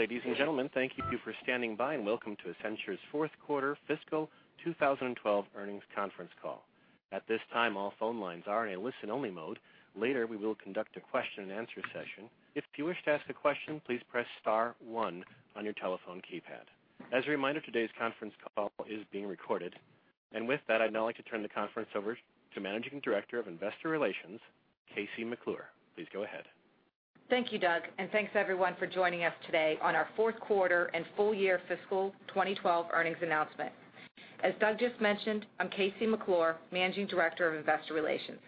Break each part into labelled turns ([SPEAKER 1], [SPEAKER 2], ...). [SPEAKER 1] Ladies and gentlemen, thank you for standing by and welcome to Accenture's fourth quarter fiscal 2012 earnings conference call. At this time, all phone lines are in a listen-only mode. Later, we will conduct a question and answer session. If you wish to ask a question, please press star one on your telephone keypad. As a reminder, today's conference call is being recorded. With that, I'd now like to turn the conference over to Managing Director of Investor Relations, KC McClure. Please go ahead.
[SPEAKER 2] Thank you, Doug, and thanks, everyone, for joining us today on our fourth quarter and full year fiscal 2012 earnings announcement. As Doug just mentioned, I'm KC McClure, Managing Director of Investor Relations.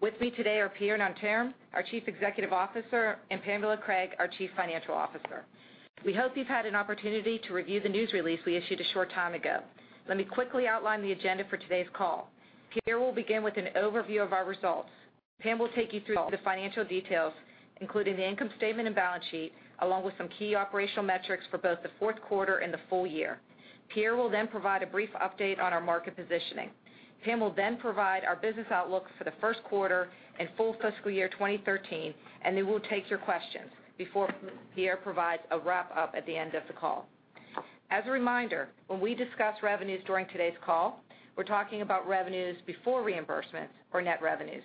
[SPEAKER 2] With me today are Pierre Nanterme, our Chief Executive Officer, and Pamela Craig, our Chief Financial Officer. We hope you've had an opportunity to review the news release we issued a short time ago. Let me quickly outline the agenda for today's call. Pierre will begin with an overview of our results. Pam will take you through the financial details, including the income statement and balance sheet, along with some key operational metrics for both the fourth quarter and the full year. Pierre will provide a brief update on our market positioning. Pam will provide our business outlook for the first quarter and full fiscal year 2013, we will take your questions before Pierre provides a wrap-up at the end of the call. As a reminder, when we discuss revenues during today's call, we're talking about revenues before reimbursements or net revenues.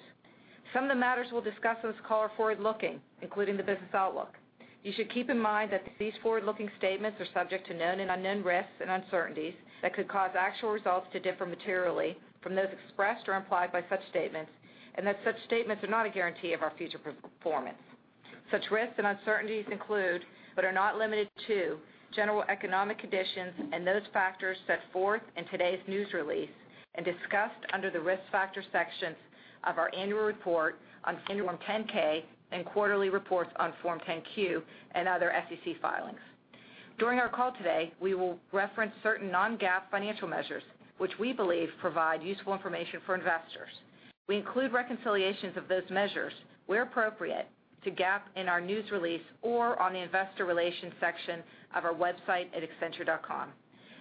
[SPEAKER 2] Some of the matters we'll discuss on this call are forward-looking, including the business outlook. You should keep in mind that these forward-looking statements are subject to known and unknown risks and uncertainties that could cause actual results to differ materially from those expressed or implied by such statements, such statements are not a guarantee of our future performance. Such risks and uncertainties include, are not limited to general economic conditions and those factors set forth in today's news release and discussed under the Risk Factors sections of our annual report on Form 10-K and quarterly reports on Form 10-Q and other SEC filings. During our call today, we will reference certain non-GAAP financial measures, which we believe provide useful information for investors. We include reconciliations of those measures where appropriate to GAAP in our news release or on the investor relations section of our website at accenture.com.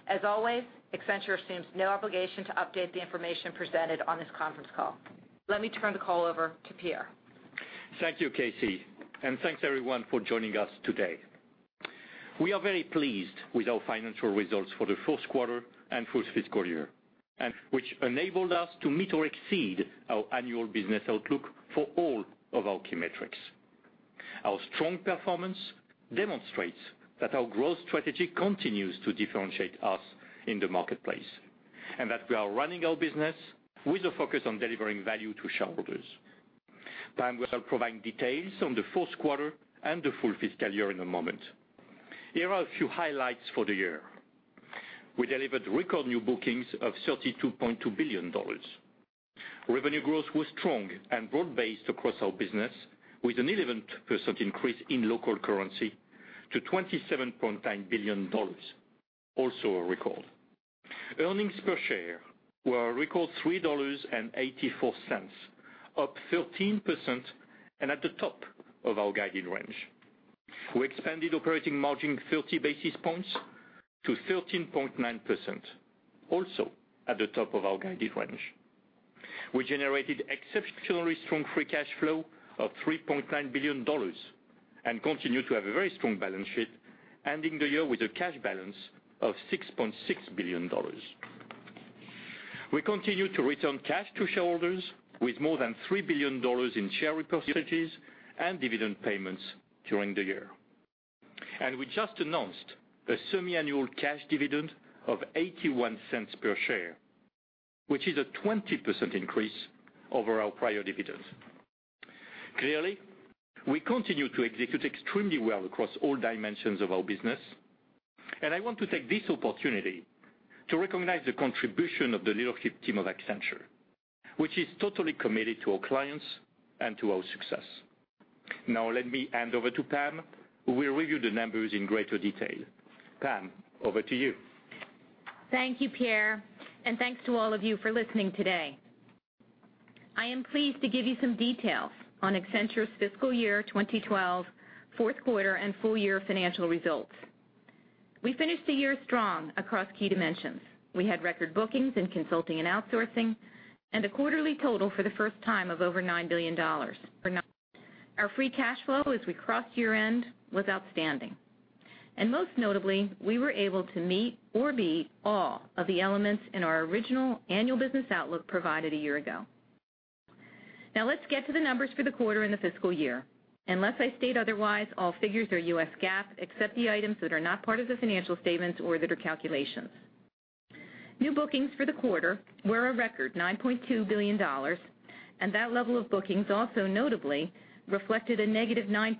[SPEAKER 2] As always, Accenture assumes no obligation to update the information presented on this conference call. Let me turn the call over to Pierre.
[SPEAKER 3] Thank you, KC. Thanks, everyone, for joining us today. We are very pleased with our financial results for the fourth quarter and full fiscal year, which enabled us to meet or exceed our annual business outlook for all of our key metrics. Our strong performance demonstrates that our growth strategy continues to differentiate us in the marketplace, that we are running our business with a focus on delivering value to shareholders. Pam will start providing details on the fourth quarter and the full fiscal year in a moment. Here are a few highlights for the year. We delivered record new bookings of $32.2 billion. Revenue growth was strong and broad-based across our business with an 11% increase in local currency to $27.9 billion. Also a record. Earnings per share were a record $3.84, up 13% and at the top of our guided range. We expanded operating margin 30 basis points to 13.9%, also at the top of our guided range. We generated exceptionally strong free cash flow of $3.9 billion and continue to have a very strong balance sheet, ending the year with a cash balance of $6.6 billion. We continue to return cash to shareholders with more than $3 billion in share repurchases and dividend payments during the year. We just announced a semi-annual cash dividend of $0.81 per share, which is a 20% increase over our prior dividend. Clearly, we continue to execute extremely well across all dimensions of our business, I want to take this opportunity to recognize the contribution of the leadership team of Accenture, which is totally committed to our clients and to our success. Let me hand over to Pam, who will review the numbers in greater detail. Pam, over to you.
[SPEAKER 4] Thank you, Pierre. Thanks to all of you for listening today. I am pleased to give you some details on Accenture's fiscal year 2012, fourth quarter, and full year financial results. We finished the year strong across key dimensions. We had record bookings in consulting and outsourcing and a quarterly total for the first time of over $9 billion. Our free cash flow as we crossed year-end was outstanding. Most notably, we were able to meet or beat all of the elements in our original annual business outlook provided a year ago. Let's get to the numbers for the quarter and the fiscal year. Unless I state otherwise, all figures are U.S. GAAP, except the items that are not part of the financial statements or that are calculations.
[SPEAKER 2] New bookings for the quarter were a record $9.2 billion, that level of bookings also notably reflected a negative 9%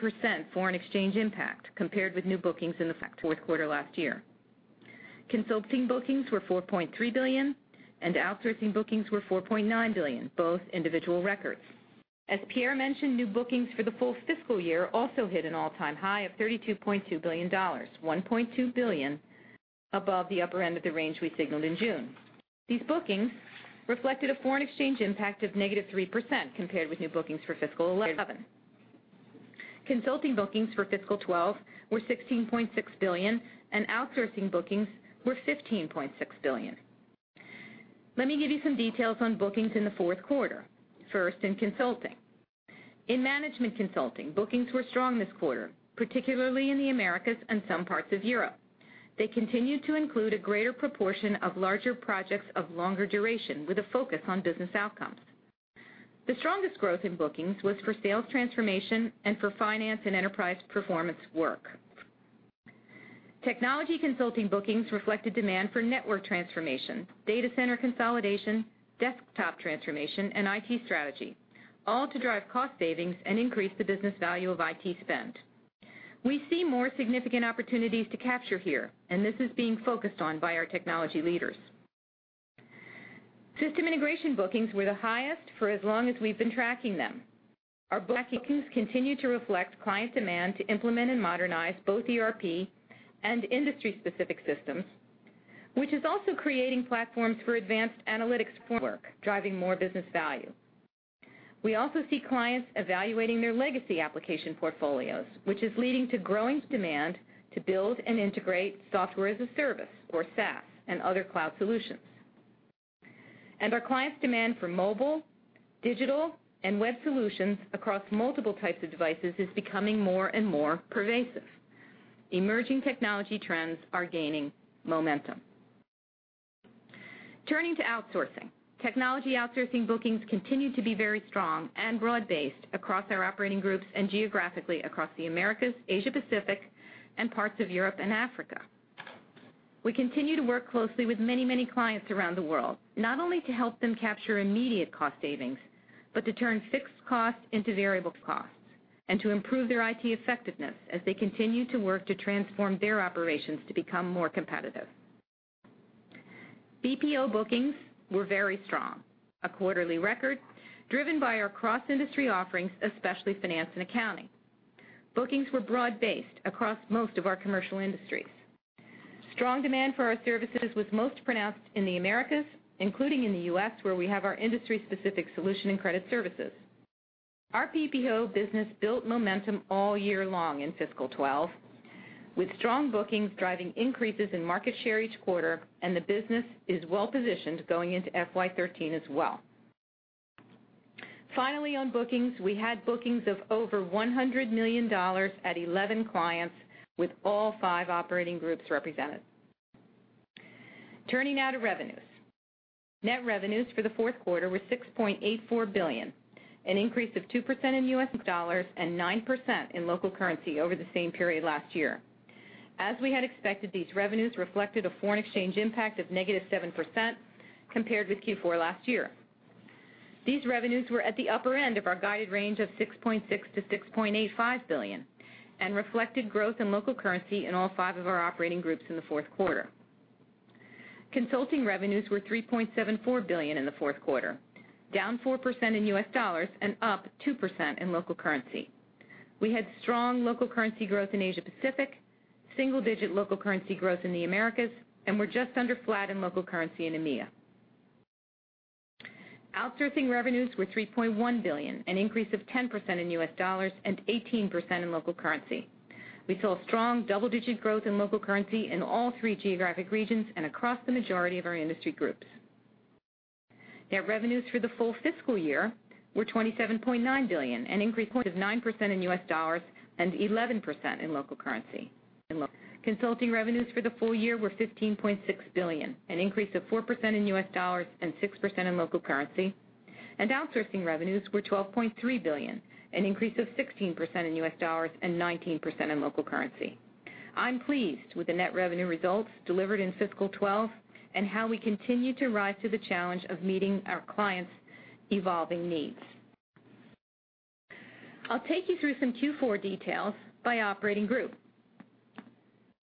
[SPEAKER 2] foreign exchange impact compared with new bookings in the fourth quarter last year. Consulting bookings were $4.3 billion, outsourcing bookings were $4.9 billion, both individual records. As Pierre mentioned, new bookings for the full fiscal year also hit an all-time high of $32.2 billion, $1.2 billion above the upper end of the range we signaled in June. These bookings reflected a foreign exchange impact of negative 3% compared with new bookings for fiscal 2011. Consulting bookings for fiscal 2012 were $16.6 billion, outsourcing bookings were $15.6 billion.
[SPEAKER 4] Let me give you some details on bookings in the fourth quarter. First, in consulting. In management consulting, bookings were strong this quarter, particularly in the Americas and some parts of Europe. They continued to include a greater proportion of larger projects of longer duration with a focus on business outcomes. The strongest growth in bookings was for sales transformation and for finance and enterprise performance work. Technology consulting bookings reflected demand for network transformation, data center consolidation, desktop transformation, and IT strategy, all to drive cost savings and increase the business value of IT spend. We see more significant opportunities to capture here. This is being focused on by our technology leaders. System integration bookings were the highest for as long as we've been tracking them. Our bookings continue to reflect client demand to implement and modernize both ERP and industry-specific systems, which is also creating platforms for advanced analytics framework, driving more business value. We also see clients evaluating their legacy application portfolios, which is leading to growing demand to build and integrate Software as a Service, or SaaS, and other cloud solutions. Our clients' demand for mobile, digital, and web solutions across multiple types of devices is becoming more and more pervasive. Emerging technology trends are gaining momentum. Turning to outsourcing. Technology outsourcing bookings continue to be very strong and broad-based across our operating groups and geographically across the Americas, Asia Pacific, and parts of Europe and Africa. We continue to work closely with many clients around the world, not only to help them capture immediate cost savings, but to turn fixed costs into variable costs and to improve their IT effectiveness as they continue to work to transform their operations to become more competitive. BPO bookings were very strong, a quarterly record driven by our cross-industry offerings, especially finance and accounting. Bookings were broad-based across most of our commercial industries. Strong demand for our services was most pronounced in the Americas, including in the U.S., where we have our industry-specific solution and credit services. Our BPO business built momentum all year long in fiscal 2012, with strong bookings driving increases in market share each quarter, and the business is well positioned going into FY 2013 as well. Finally, on bookings, we had bookings of over $100 million at 11 clients, with all five operating groups represented. Turning now to revenues. Net revenues for the fourth quarter were $6.84 billion, an increase of 2% in U.S. dollars and 9% in local currency over the same period last year. As we had expected, these revenues reflected a foreign exchange impact of negative 7% compared with Q4 last year. These revenues were at the upper end of our guided range of $6.6 billion-$6.85 billion and reflected growth in local currency in all five of our operating groups in the fourth quarter. Consulting revenues were $3.74 billion in the fourth quarter, down 4% in U.S. dollars and up 2% in local currency. We had strong local currency growth in Asia Pacific, single-digit local currency growth in the Americas, and were just under flat in local currency in EMEA. Outsourcing revenues were $3.1 billion, an increase of 10% in U.S. dollars and 18% in local currency. We saw strong double-digit growth in local currency in all three geographic regions and across the majority of our industry groups. Net revenues for the full fiscal year were $27.9 billion, an increase of 9% in US dollars and 11% in local currency. Consulting revenues for the full year were $15.6 billion, an increase of 4% in US dollars and 6% in local currency, and outsourcing revenues were $12.3 billion, an increase of 16% in US dollars and 19% in local currency. I'm pleased with the net revenue results delivered in fiscal 2012 and how we continue to rise to the challenge of meeting our clients' evolving needs. I'll take you through some Q4 details by operating group.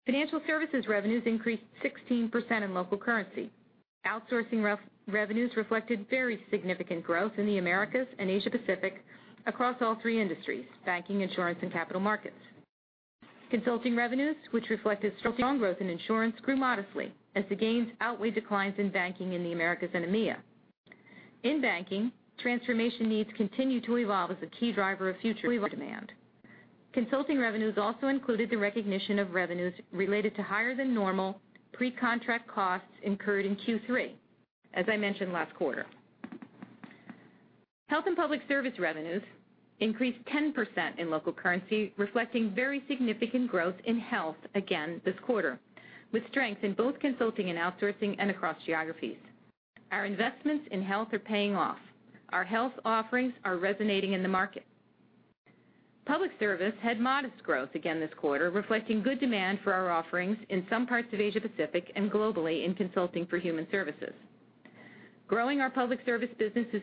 [SPEAKER 4] Financial Services revenues increased 16% in local currency. Outsourcing revenues reflected very significant growth in the Americas and Asia Pacific across all three industries, banking, insurance, and capital markets. Consulting revenues, which reflected strong growth in insurance, grew modestly as the gains outweighed declines in banking in the Americas and EMEA. In banking, transformation needs continue to evolve as a key driver of future demand. Consulting revenues also included the recognition of revenues related to higher than normal pre-contract costs incurred in Q3, as I mentioned last quarter. Health and Public Service revenues increased 10% in local currency, reflecting very significant growth in health again this quarter, with strength in both consulting and outsourcing and across geographies. Our investments in health are paying off. Our health offerings are resonating in the market. Public Service had modest growth again this quarter, reflecting good demand for our offerings in some parts of Asia Pacific and globally in consulting for human services. Growing our Public Service business is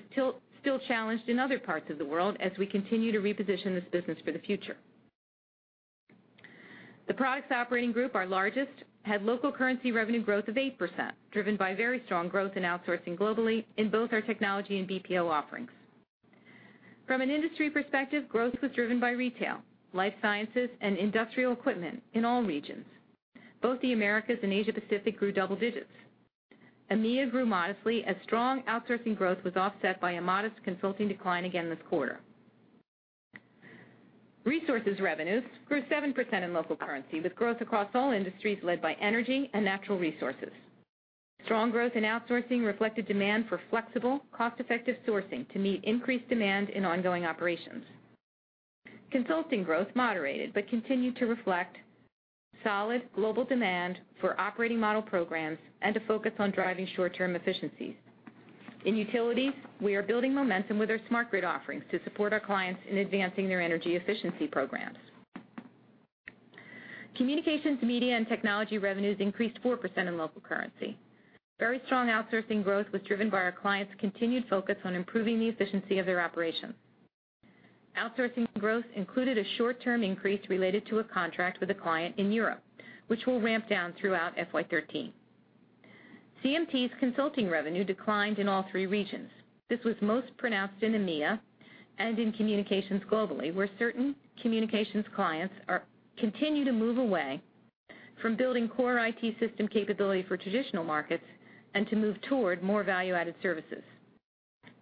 [SPEAKER 4] still challenged in other parts of the world as we continue to reposition this business for the future. The Products operating group, our largest, had local currency revenue growth of 8%, driven by very strong growth in outsourcing globally in both our technology and BPO offerings. From an industry perspective, growth was driven by retail, life sciences, and industrial equipment in all regions. Both the Americas and Asia Pacific grew double digits. EMEA grew modestly as strong outsourcing growth was offset by a modest consulting decline again this quarter. Resources revenues grew 7% in local currency, with growth across all industries led by energy and natural resources. Strong growth in outsourcing reflected demand for flexible, cost-effective sourcing to meet increased demand in ongoing operations. Consulting growth moderated but continued to reflect solid global demand for operating model programs and a focus on driving short-term efficiencies. In utilities, we are building momentum with our smart grid offerings to support our clients in advancing their energy efficiency programs. Communications, Media & Technology revenues increased 4% in local currency. Very strong outsourcing growth was driven by our clients' continued focus on improving the efficiency of their operations. Outsourcing growth included a short-term increase related to a contract with a client in Europe, which will ramp down throughout FY 2013. CMT's consulting revenue declined in all three regions. This was most pronounced in EMEA and in communications globally, where certain communications clients continue to move away from building core IT system capability for traditional markets and to move toward more value-added services.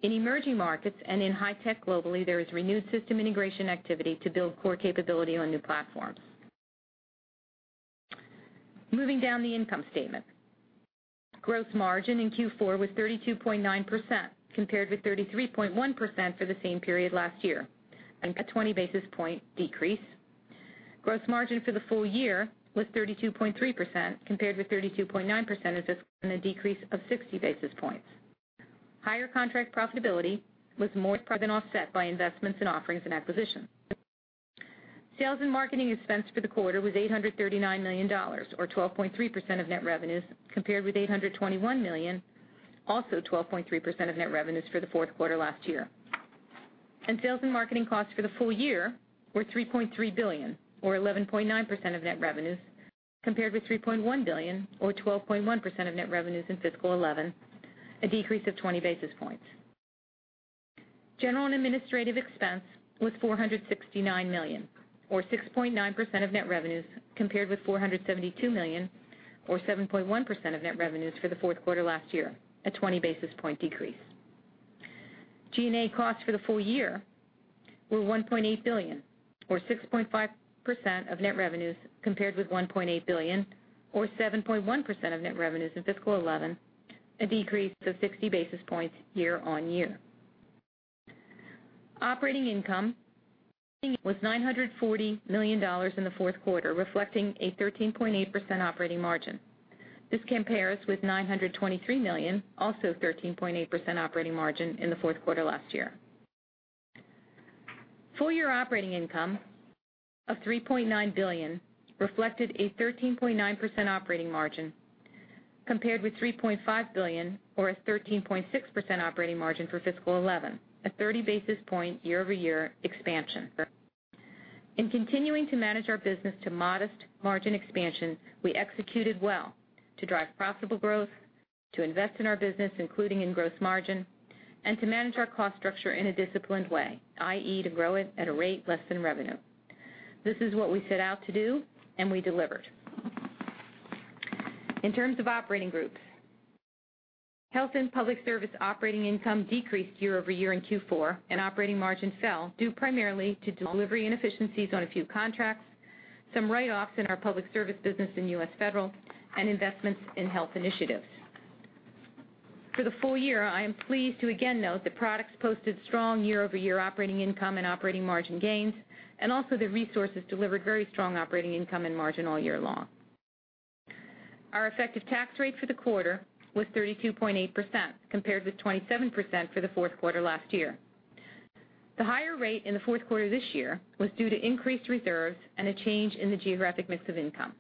[SPEAKER 4] In emerging markets and in high-tech globally, there is renewed system integration activity to build core capability on new platforms. Moving down the income statement. Gross margin in Q4 was 32.9%, compared with 33.1% for the same period last year, a 20-basis-point decrease. Gross margin for the full year was 32.3% compared with 32.9% of this and a decrease of 60 basis points. Higher contract profitability was more than offset by investments in offerings and acquisitions. Sales and marketing expense for the quarter was $839 million, or 12.3% of net revenues, compared with $821 million, also 12.3% of net revenues for the fourth quarter last year. Sales and marketing costs for the full year were $3.3 billion, or 11.9% of net revenues, compared with $3.1 billion or 12.1% of net revenues in fiscal 2011, a decrease of 20 basis points. General and administrative expense was $469 million or 6.9% of net revenues, compared with $472 million or 7.1% of net revenues for the fourth quarter last year, a 20-basis-point decrease. G&A costs for the full year were $1.8 billion, or 6.5% of net revenues, compared with $1.8 billion or 7.1% of net revenues in fiscal 2011, a decrease of 60 basis points year-over-year. Operating income was $940 million in the fourth quarter, reflecting a 13.8% operating margin. This compares with $923 million, also 13.8% operating margin in the fourth quarter last year. Full-year operating income of $3.9 billion reflected a 13.9% operating margin, compared with $3.5 billion or a 13.6% operating margin for fiscal 2011, a 30-basis-point year-over-year expansion. In continuing to manage our business to modest margin expansion, we executed well to drive profitable growth, to invest in our business, including in gross margin, and to manage our cost structure in a disciplined way, i.e., to grow it at a rate less than revenue. This is what we set out to do, and we delivered. In terms of operating groups, Health and Public Service operating income decreased year-over-year in Q4, and operating margin fell due primarily to delivery inefficiencies on a few contracts, some write-offs in our public service business in U.S. federal, and investments in health initiatives. For the full year, I am pleased to again note that products posted strong year-over-year operating income and operating margin gains, and also that resources delivered very strong operating income and margin all year long. Our effective tax rate for the quarter was 32.8%, compared with 27% for the fourth quarter last year. The higher rate in the fourth quarter this year was due to increased reserves and a change in the geographic mix of income.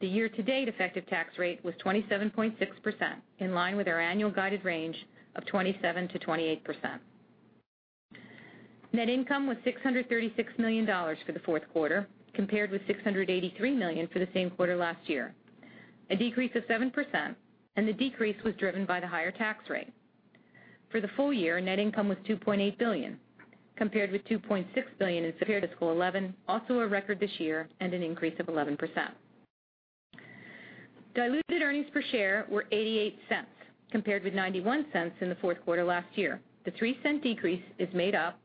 [SPEAKER 4] The year-to-date effective tax rate was 27.6%, in line with our annual guided range of 27% to 28%. Net income was $636 million for the fourth quarter, compared with $683 million for the same quarter last year, a decrease of 7%. The decrease was driven by the higher tax rate. For the full year, net income was $2.8 billion, compared with $2.6 billion in fiscal 2011, also a record this year and an increase of 11%. Diluted earnings per share were $0.88, compared with $0.91 in the fourth quarter last year. The $0.03 decrease is made up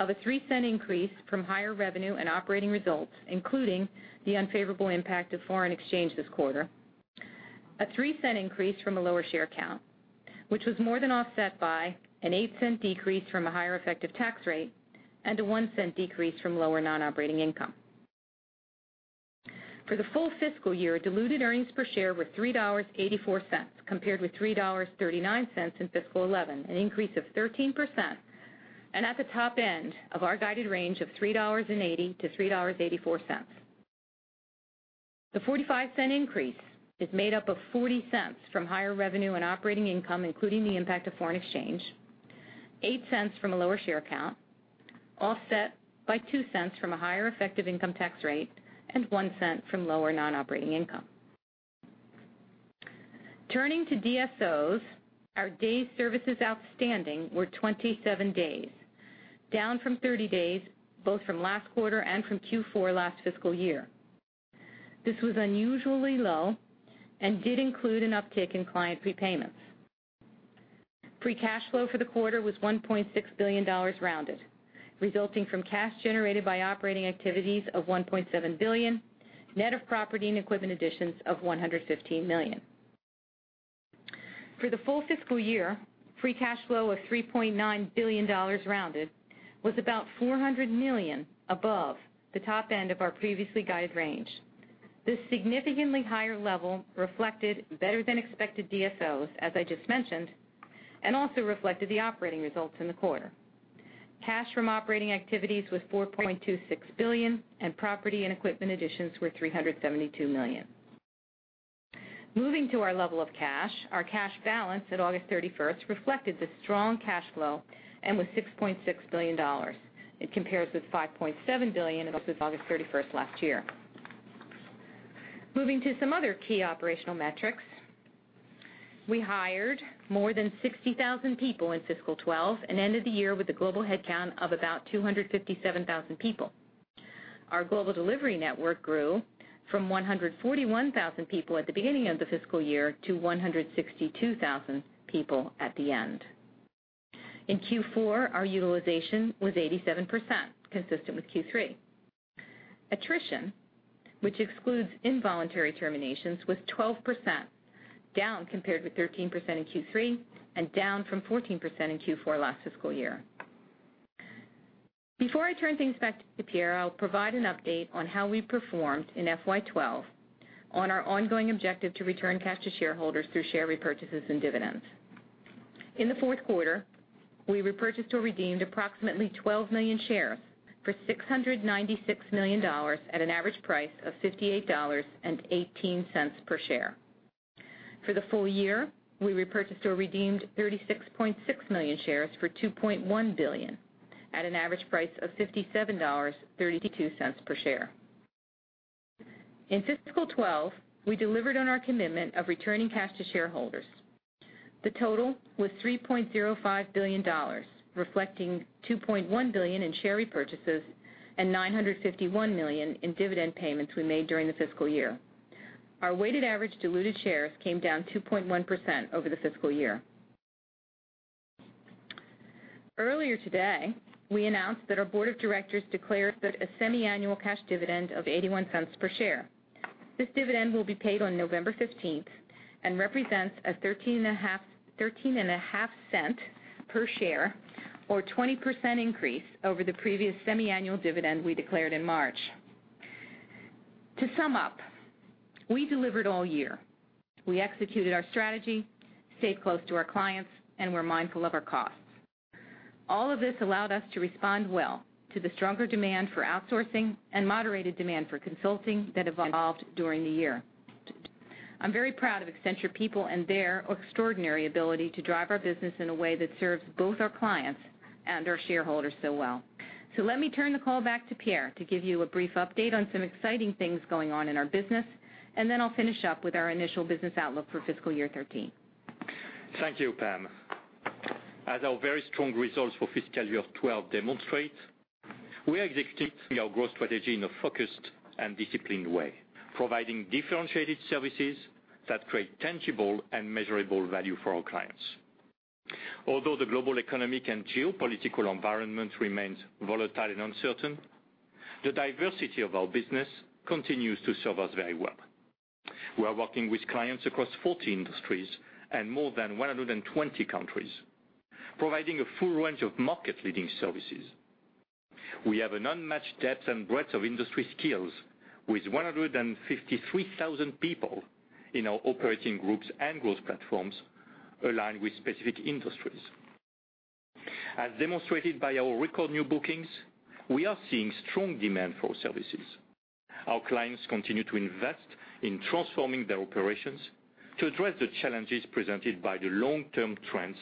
[SPEAKER 4] of a $0.03 increase from higher revenue and operating results, including the unfavorable impact of foreign exchange this quarter, a $0.03 increase from a lower share count, which was more than offset by an $0.08 decrease from a higher effective tax rate and a $0.01 decrease from lower non-operating income. For the full fiscal year, diluted earnings per share were $3.84, compared with $3.39 in fiscal 2011, an increase of 13%, and at the top end of our guided range of $3.80-$3.84. The $0.45 increase is made up of $0.40 from higher revenue and operating income, including the impact of foreign exchange, $0.08 from a lower share count, offset by $0.02 from a higher effective income tax rate and $0.01 from lower non-operating income. Turning to DSOs, our days services outstanding were 27 days, down from 30 days, both from last quarter and from Q4 last fiscal year. This was unusually low and did include an uptick in client prepayments. Free cash flow for the quarter was $1.6 billion rounded, resulting from cash generated by operating activities of $1.7 billion, net of property and equipment additions of $115 million. For the full fiscal year, free cash flow of $3.9 billion rounded was about $400 million above the top end of our previously guided range. This significantly higher level reflected better than expected DSOs, as I just mentioned, and also reflected the operating results in the quarter. Cash from operating activities was $4.26 billion, and property and equipment additions were $372 million. Moving to our level of cash, our cash balance at August 31st reflected the strong cash flow and was $6.6 billion. It compares with $5.7 billion and also August 31st last year. Moving to some other key operational metrics. We hired more than 60,000 people in fiscal 2012 and ended the year with a global headcount of about 257,000 people. Our global delivery network grew from 141,000 people at the beginning of the fiscal year to 162,000 people at the end. In Q4, our utilization was 87%, consistent with Q3. Attrition, which excludes involuntary terminations, was 12% down compared with 13% in Q3 and down from 14% in Q4 last fiscal year. Before I turn things back to Pierre, I'll provide an update on how we performed in FY 2012 on our ongoing objective to return cash to shareholders through share repurchases and dividends. In the fourth quarter, we repurchased or redeemed approximately 12 million shares for $696 million at an average price of $58.18 per share. For the full year, we repurchased or redeemed 36.6 million shares for $2.1 billion at an average price of $57.32 per share. In fiscal 2012, we delivered on our commitment of returning cash to shareholders. The total was $3.05 billion, reflecting $2.1 billion in share repurchases and $951 million in dividend payments we made during the fiscal year. Our weighted average diluted shares came down 2.1% over the fiscal year. Earlier today, we announced that our board of directors declared a semi-annual cash dividend of $0.81 per share. This dividend will be paid on November 15th and represents a $0.135 per share or 20% increase over the previous semi-annual dividend we declared in March. To sum up, we delivered all year. We executed our strategy, stayed close to our clients, and were mindful of our costs. All of this allowed us to respond well to the stronger demand for outsourcing and moderated demand for consulting that evolved during the year. I'm very proud of Accenture people and their extraordinary ability to drive our business in a way that serves both our clients and our shareholders so well. Let me turn the call back to Pierre to give you a brief update on some exciting things going on in our business, and then I'll finish up with our initial business outlook for fiscal year 2013.
[SPEAKER 3] Thank you, Pam. As our very strong results for fiscal year 2012 demonstrate, we are executing our growth strategy in a focused and disciplined way, providing differentiated services that create tangible and measurable value for our clients. Although the global economic and geopolitical environment remains volatile and uncertain, the diversity of our business continues to serve us very well. We are working with clients across 40 industries and more than 120 countries, providing a full range of market-leading services. We have an unmatched depth and breadth of industry skills with 153,000 people in our operating groups and growth platforms aligned with specific industries. As demonstrated by our record new bookings, we are seeing strong demand for our services. Our clients continue to invest in transforming their operations to address the challenges presented by the long-term trends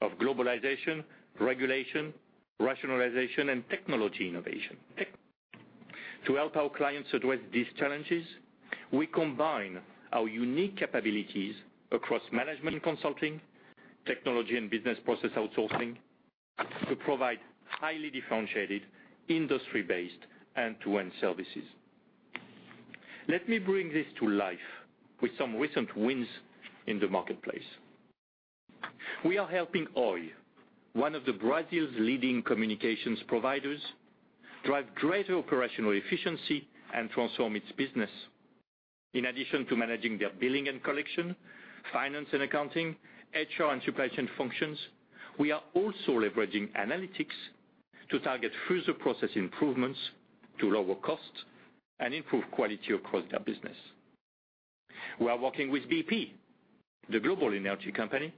[SPEAKER 3] of globalization, regulation, rationalization, and technology innovation. To help our clients address these challenges, we combine our unique capabilities across management consulting, technology and business process outsourcing to provide highly differentiated, industry-based, end-to-end services. Let me bring this to life with some recent wins in the marketplace. We are helping Oi, one of Brazil's leading communications providers, drive greater operational efficiency and transform its business. In addition to managing their billing and collection, finance and accounting, HR and supply chain functions, we are also leveraging analytics to target further process improvements to lower costs and improve quality across their business. We are working with BP, the global energy company,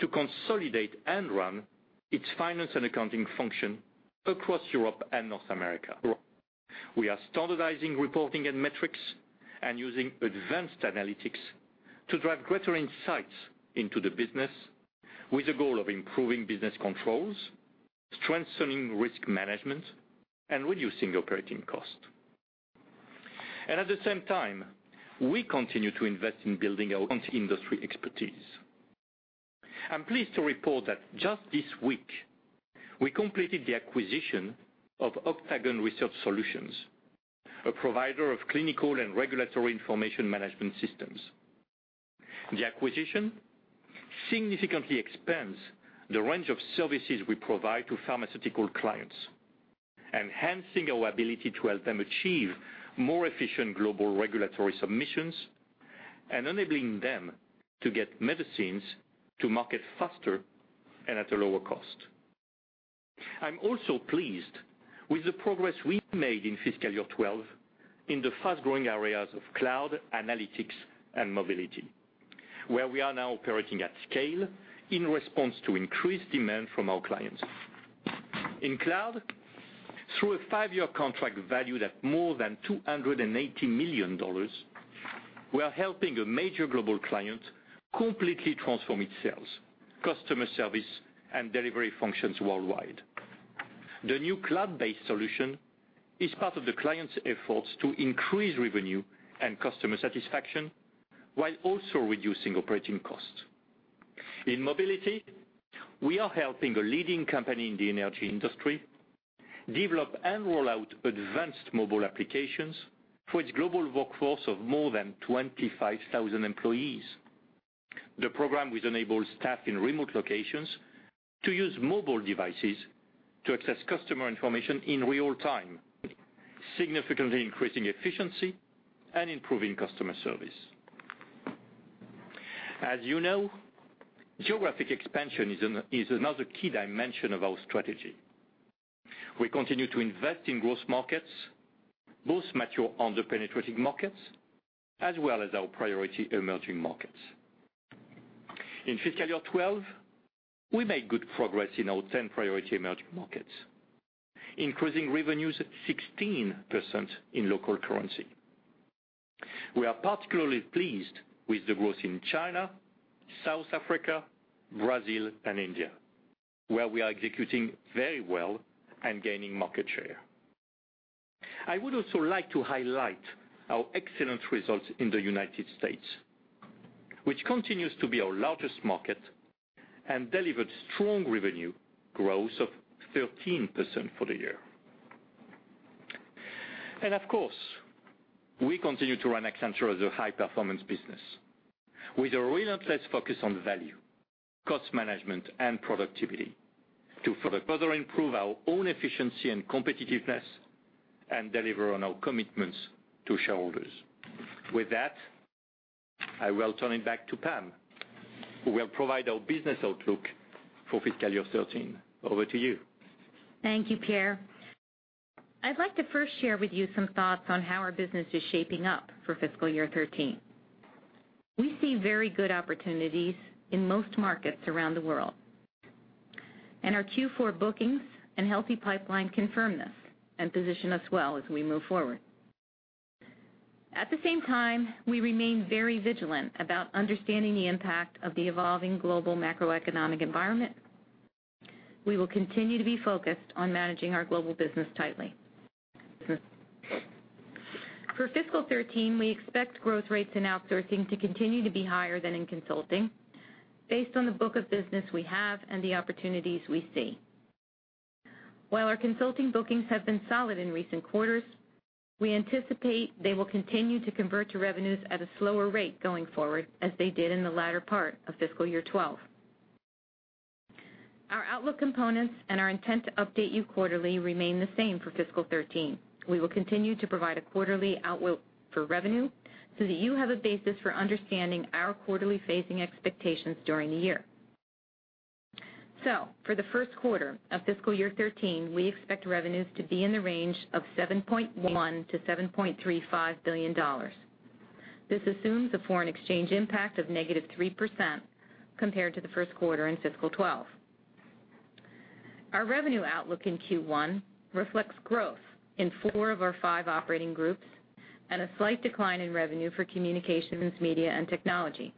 [SPEAKER 3] to consolidate and run its finance and accounting function across Europe and North America. We are standardizing reporting and metrics and using advanced analytics to drive greater insights into the business with the goal of improving business controls, strengthening risk management, and reducing operating costs. At the same time, we continue to invest in building our industry expertise. I'm pleased to report that just this week we completed the acquisition of Octagon Research Solutions, a provider of clinical and regulatory information management systems. The acquisition significantly expands the range of services we provide to pharmaceutical clients, enhancing our ability to help them achieve more efficient global regulatory submissions and enabling them to get medicines to market faster and at a lower cost. I'm also pleased with the progress we've made in fiscal year 2012 in the fast-growing areas of cloud, analytics, and mobility, where we are now operating at scale in response to increased demand from our clients. In cloud, through a five-year contract valued at more than $280 million, we are helping a major global client completely transform its sales, customer service, and delivery functions worldwide. The new cloud-based solution is part of the client's efforts to increase revenue and customer satisfaction while also reducing operating costs. In mobility, we are helping a leading company in the energy industry develop and roll out advanced mobile applications for its global workforce of more than 25,000 employees. The program will enable staff in remote locations to use mobile devices to access customer information in real time, significantly increasing efficiency and improving customer service. As you know, geographic expansion is another key dimension of our strategy. We continue to invest in growth markets, both mature under-penetrated markets as well as our priority emerging markets. In fiscal year 2012, we made good progress in our 10 priority emerging markets, increasing revenues 16% in local currency. We are particularly pleased with the growth in China, South Africa, Brazil, and India, where we are executing very well and gaining market share. I would also like to highlight our excellent results in the United States, which continues to be our largest market and delivered strong revenue growth of 13% for the year. Of course, we continue to run Accenture as a high-performance business with a relentless focus on value, cost management, and productivity to further improve our own efficiency and competitiveness and deliver on our commitments to shareholders. With that, I will turn it back to Pam, who will provide our business outlook for fiscal year 2013. Over to you.
[SPEAKER 4] Thank you, Pierre. I'd like to first share with you some thoughts on how our business is shaping up for fiscal year 2013. We see very good opportunities in most markets around the world, our Q4 bookings and healthy pipeline confirm this and position us well as we move forward. At the same time, we remain very vigilant about understanding the impact of the evolving global macroeconomic environment. We will continue to be focused on managing our global business tightly. For fiscal year 2013, we expect growth rates in outsourcing to continue to be higher than in consulting, based on the book of business we have and the opportunities we see. While our consulting bookings have been solid in recent quarters, we anticipate they will continue to convert to revenues at a slower rate going forward, as they did in the latter part of fiscal year 2012. Our outlook components and our intent to update you quarterly remain the same for fiscal year 2013. We will continue to provide a quarterly outlook for revenue so that you have a basis for understanding our quarterly facing expectations during the year. For the first quarter of fiscal year 2013, we expect revenues to be in the range of $7.1 billion-$7.35 billion. This assumes a foreign exchange impact of negative 3% compared to the first quarter in fiscal year 2012. Our revenue outlook in Q1 reflects growth in four of our five operating groups and a slight decline in revenue for communications, media, and technology.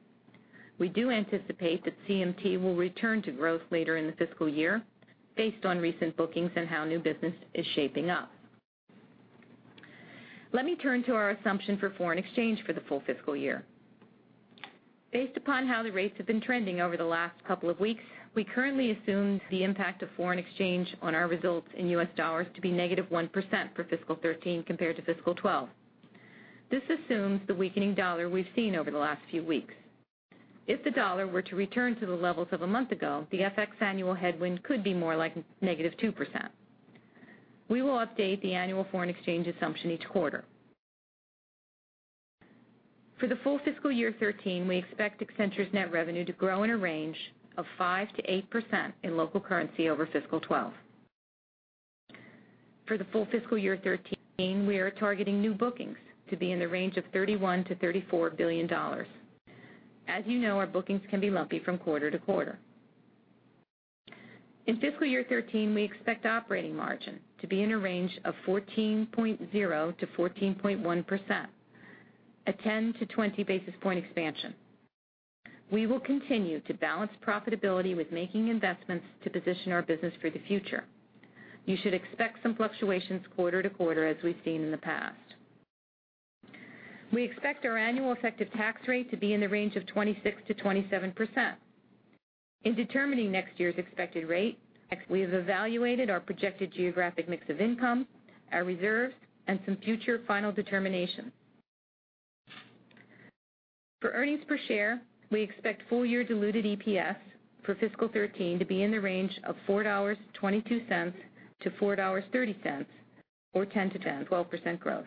[SPEAKER 4] We do anticipate that CMT will return to growth later in the fiscal year based on recent bookings and how new business is shaping up. Let me turn to our assumption for foreign exchange for the full fiscal year. Based upon how the rates have been trending over the last couple of weeks, we currently assume the impact of foreign exchange on our results in U.S. dollars to be -1% for fiscal 2013 compared to fiscal 2012. This assumes the weakening dollar we've seen over the last few weeks. If the dollar were to return to the levels of a month ago, the FX annual headwind could be more like -2%. We will update the annual foreign exchange assumption each quarter. For the full fiscal year 2013, we expect Accenture's net revenue to grow in a range of 5%-8% in local currency over fiscal 2012. For the full fiscal year 2013, we are targeting new bookings to be in the range of $31 billion-$34 billion. As you know, our bookings can be lumpy from quarter to quarter. In fiscal year 2013, we expect operating margin to be in a range of 14.0%-14.1%, a 10-20 basis point expansion. We will continue to balance profitability with making investments to position our business for the future. You should expect some fluctuations quarter to quarter as we've seen in the past. We expect our annual effective tax rate to be in the range of 26%-27%. In determining next year's expected rate, we have evaluated our projected geographic mix of income, our reserves, and some future final determinations. For earnings per share, we expect full-year diluted EPS for fiscal 2013 to be in the range of $4.22-$4.30, or 10%-12% growth.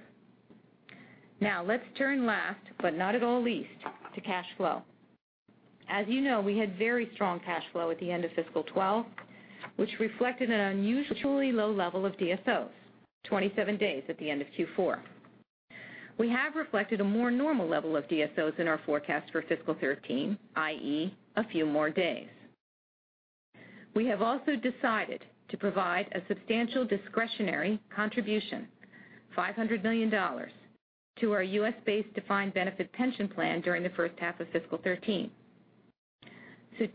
[SPEAKER 4] Let's turn last, but not at all least, to cash flow. As you know, we had very strong cash flow at the end of fiscal 2012, which reflected an unusually low level of DSOs, 27 days at the end of Q4. We have reflected a more normal level of DSOs in our forecast for fiscal 2013, i.e., a few more days. We have also decided to provide a substantial discretionary contribution, $500 million, to our U.S.-based defined benefit pension plan during the first half of fiscal 2013.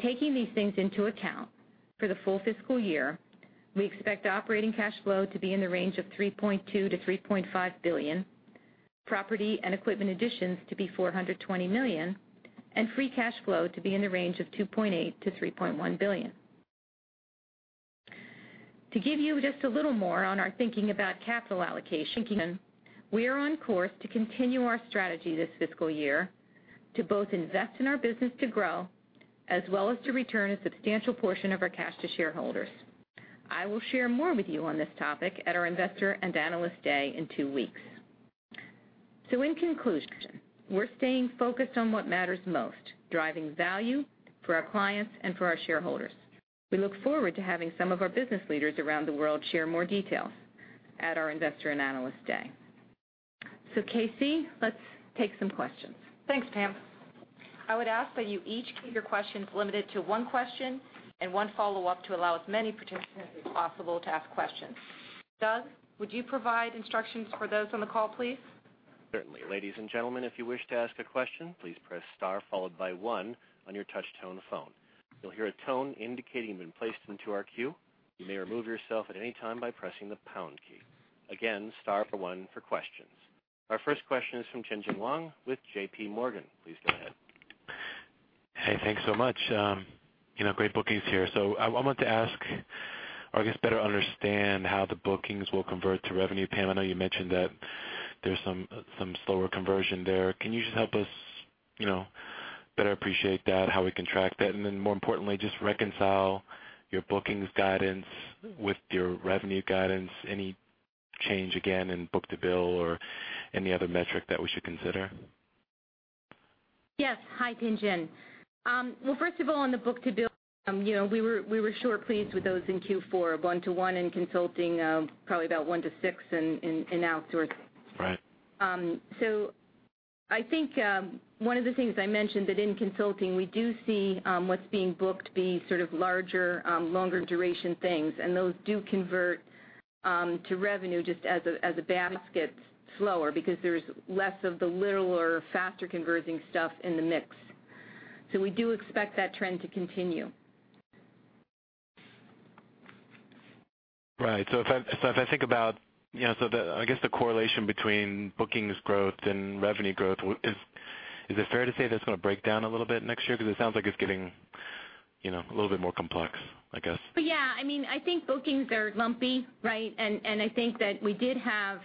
[SPEAKER 4] Taking these things into account, for the full fiscal year, we expect operating cash flow to be in the range of $3.2 billion-$3.5 billion, property and equipment additions to be $420 million, and free cash flow to be in the range of $2.8 billion-$3.1 billion. To give you just a little more on our thinking about capital allocation, we are on course to continue our strategy this fiscal year to both invest in our business to grow as well as to return a substantial portion of our cash to shareholders. I will share more with you on this topic at our Investor and Analyst Day in two weeks. In conclusion, we're staying focused on what matters most, driving value for our clients and for our shareholders. We look forward to having some of our business leaders around the world share more details at our Investor and Analyst Day. KC, let's take some questions.
[SPEAKER 2] Thanks, Pam. I would ask that you each keep your questions limited to one question and one follow-up to allow as many participants as possible to ask questions. Doug, would you provide instructions for those on the call, please?
[SPEAKER 1] Certainly. Ladies and gentlemen, if you wish to ask a question, please press star followed by one on your touch-tone phone. You'll hear a tone indicating you've been placed into our queue. You may remove yourself at any time by pressing the pound key. Again, star for one for questions. Our first question is from Tien-Tsin Huang with JPMorgan. Please go ahead.
[SPEAKER 5] Hey, thanks so much. Great bookings here. I want to ask, or I guess better understand how the bookings will convert to revenue. Pam, I know you mentioned that there's some slower conversion there. Can you just help us better appreciate that, how we can track that, and then more importantly, just reconcile your bookings guidance with your revenue guidance, any change again in book-to-bill or any other metric that we should consider?
[SPEAKER 4] Yes. Hi, Tien-Tsin. Well, first of all, on the book-to-bill, we were sure pleased with those in Q4, of one to one in consulting, probably about one to six in outsourced.
[SPEAKER 5] Right.
[SPEAKER 4] I think one of the things I mentioned that in consulting, we do see what's being booked be sort of larger, longer duration things, and those do convert to revenue just as a basket slower because there's less of the littler, faster-converting stuff in the mix. We do expect that trend to continue.
[SPEAKER 5] Right. If I think about the correlation between bookings growth and revenue growth, is it fair to say that's going to break down a little bit next year? Because it sounds like it's getting a little bit more complex, I guess.
[SPEAKER 4] Yeah. I think bookings are lumpy. I think that we did have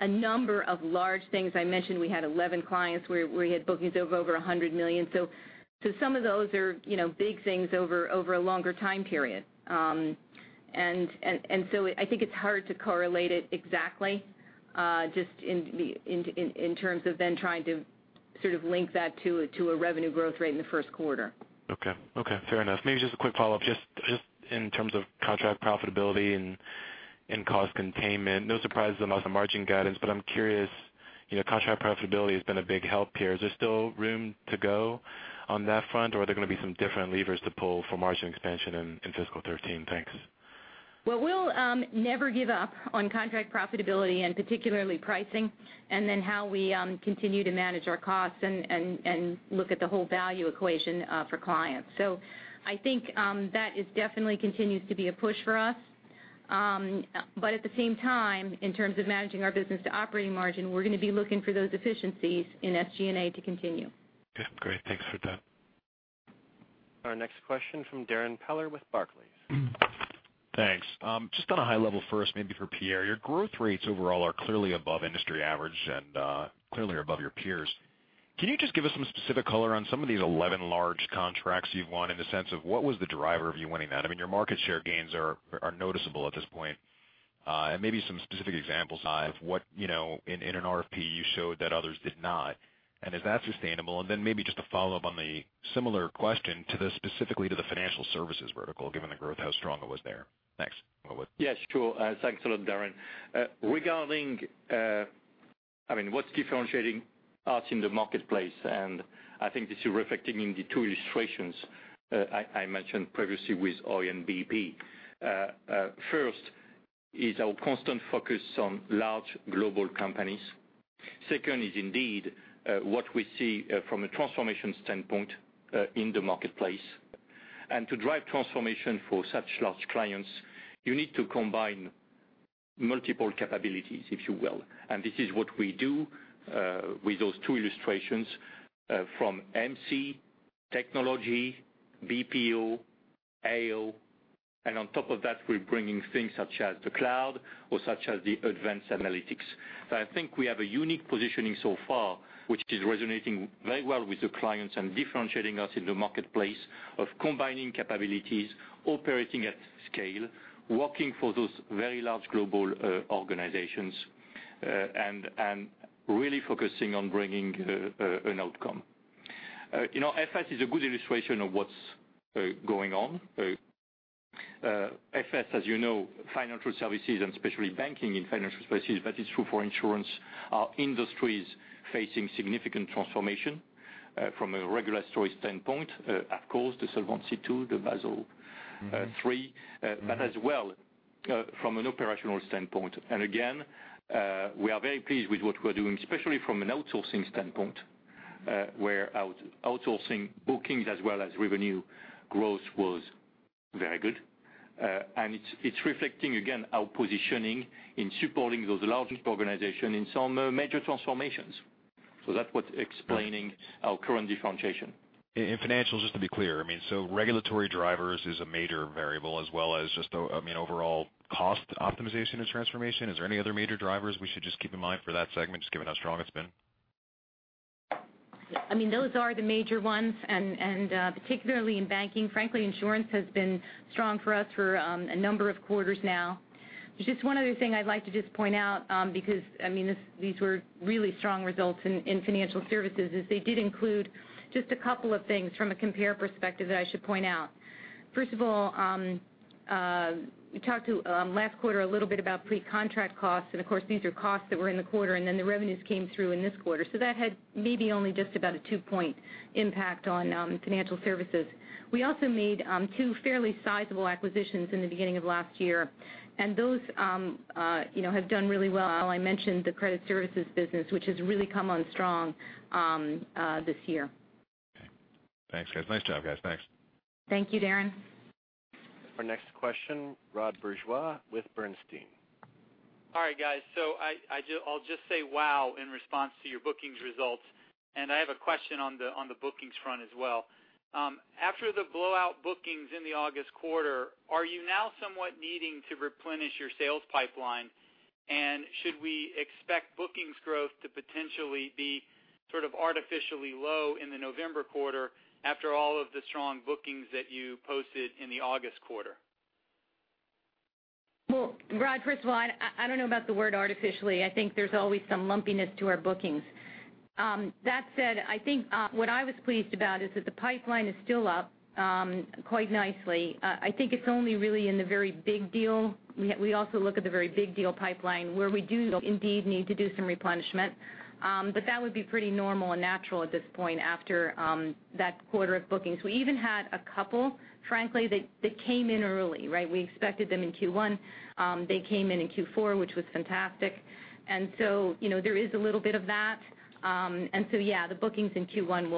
[SPEAKER 4] a number of large things. I mentioned we had 11 clients where we had bookings of over $100 million. Some of those are big things over a longer time period. I think it's hard to correlate it exactly just in terms of then trying to sort of link that to a revenue growth rate in the first quarter.
[SPEAKER 5] Okay. Fair enough. Maybe just a quick follow-up, just in terms of contract profitability and cost containment. No surprises on the margin guidance, but I'm curious, contract profitability has been a big help here. Is there still room to go on that front, or are there going to be some different levers to pull for margin expansion in fiscal 2013? Thanks.
[SPEAKER 4] We'll never give up on contract profitability and particularly pricing, and then how we continue to manage our costs and look at the whole value equation for clients. I think that it definitely continues to be a push for us. At the same time, in terms of managing our business to operating margin, we're going to be looking for those efficiencies in SG&A to continue.
[SPEAKER 5] Okay, great. Thanks for that.
[SPEAKER 1] Our next question from Darrin Peller with Barclays.
[SPEAKER 6] Thanks. Just on a high level first, maybe for Pierre, your growth rates overall are clearly above industry average and clearly above your peers. Can you just give us some specific color on some of these 11 large contracts you've won in the sense of what was the driver of you winning that? I mean, your market share gains are noticeable at this point. Maybe some specific examples of what, in an RFP, you showed that others did not, and is that sustainable? Then maybe just a follow-up on the similar question specifically to the Financial Services vertical, given the growth, how strong it was there. Thanks.
[SPEAKER 3] Yes, sure. Thanks a lot, Darrin. Regarding what's differentiating us in the marketplace, I think this is reflecting in the two illustrations I mentioned previously with Oi and BP. First is our constant focus on large global companies. Second is indeed what we see from a transformation standpoint in the marketplace. To drive transformation for such large clients, you need to combine multiple capabilities, if you will. This is what we do with those two illustrations from MC, technology, BPO, AO, and on top of that, we're bringing things such as the cloud or such as the advanced analytics. I think we have a unique positioning so far, which is resonating very well with the clients and differentiating us in the marketplace of combining capabilities, operating at scale, working for those very large global organizations, and really focusing on bringing an outcome. FS is a good illustration of what's going on. FS, as you know, financial services and especially banking in financial services, but it's true for insurance, are industries facing significant transformation from a regulatory standpoint, of course, the Solvency II, the Basel III, but as well from an operational standpoint. Again, we are very pleased with what we're doing, especially from an outsourcing standpoint, where outsourcing bookings as well as revenue growth was very good. It's reflecting, again, our positioning in supporting those large organizations in some major transformations. That's what's explaining our current differentiation.
[SPEAKER 6] In financials, just to be clear, so regulatory drivers is a major variable as well as just overall cost optimization and transformation. Is there any other major drivers we should just keep in mind for that segment, just given how strong it's been?
[SPEAKER 4] Those are the major ones, and particularly in banking. Frankly, insurance has been strong for us for a number of quarters now. There's just one other thing I'd like to just point out because these were really strong results in financial services, is they did include just a couple of things from a compare perspective that I should point out. First of all, we talked last quarter a little about pre-contract costs. Of course, these are costs that were in the quarter, then the revenues came through in this quarter. That had maybe only just about a two-point impact on financial services. We also made two fairly sizable acquisitions in the beginning of last year. Those have done really well. I mentioned the credit services business, which has really come on strong this year.
[SPEAKER 6] Okay. Thanks, guys. Nice job, guys. Thanks.
[SPEAKER 4] Thank you, Darrin.
[SPEAKER 1] Our next question, Rod Bourgeois with Bernstein.
[SPEAKER 7] All right, guys. I'll just say wow in response to your bookings results, and I have a question on the bookings front as well. After the blowout bookings in the August quarter, are you now somewhat needing to replenish your sales pipeline, and should we expect bookings growth to potentially be sort of artificially low in the November quarter after all of the strong bookings that you posted in the August quarter?
[SPEAKER 4] Well, Rod, first of all, I don't know about the word artificially. I think there's always some lumpiness to our bookings. That said, I think what I was pleased about is that the pipeline is still up quite nicely. I think it's only really in the very big deal. We also look at the very big deal pipeline, where we do indeed need to do some replenishment. That would be pretty normal and natural at this point after that quarter of bookings. We even had a couple, frankly, that came in early. We expected them in Q1. They came in in Q4, which was fantastic. There is a little bit of that. Yeah, the bookings in Q1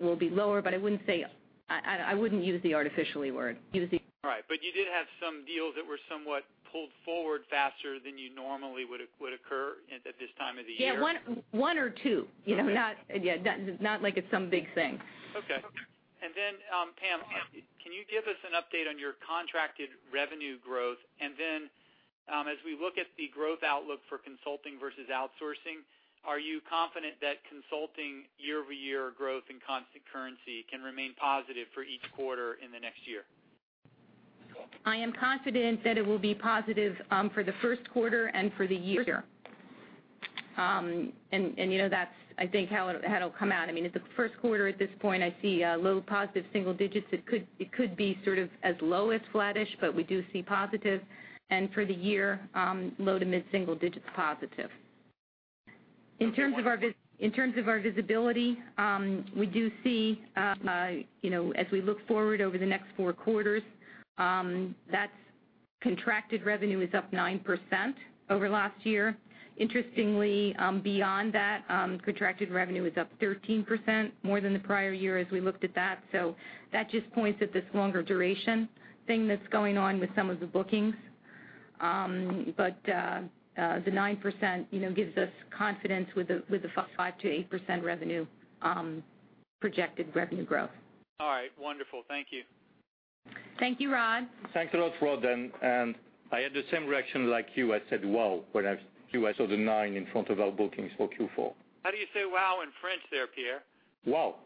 [SPEAKER 4] will be lower, but I wouldn't use the artificially word.
[SPEAKER 7] Right. You did have some deals that were somewhat pulled forward faster than you normally would occur at this time of the year?
[SPEAKER 4] Yeah, one or two. Not like it's some big thing.
[SPEAKER 7] Okay. Pam, can you give us an update on your contracted revenue growth? As we look at the growth outlook for consulting versus outsourcing, are you confident that consulting year-over-year growth in constant currency can remain positive for each quarter in the next year?
[SPEAKER 4] I am confident that it will be positive for the first quarter and for the year. That's, I think, how it'll come out. The first quarter at this point, I see low positive single digits. It could be sort of as low as flattish, we do see positive, and for the year, low to mid single digits positive. In terms of our visibility, we do see as we look forward over the next four quarters, that contracted revenue is up 9% over last year. Interestingly, beyond that, contracted revenue is up 13% more than the prior year as we looked at that. That just points at this longer duration thing that's going on with some of the bookings. The 9% gives us confidence with the 5%-8% projected revenue growth.
[SPEAKER 7] All right. Wonderful. Thank you.
[SPEAKER 4] Thank you, Rod.
[SPEAKER 3] Thanks a lot, Rod. I had the same reaction like you. I said wow when I saw the 9 in front of our bookings for Q4.
[SPEAKER 7] How do you say wow in French there, Pierre?
[SPEAKER 3] Wow.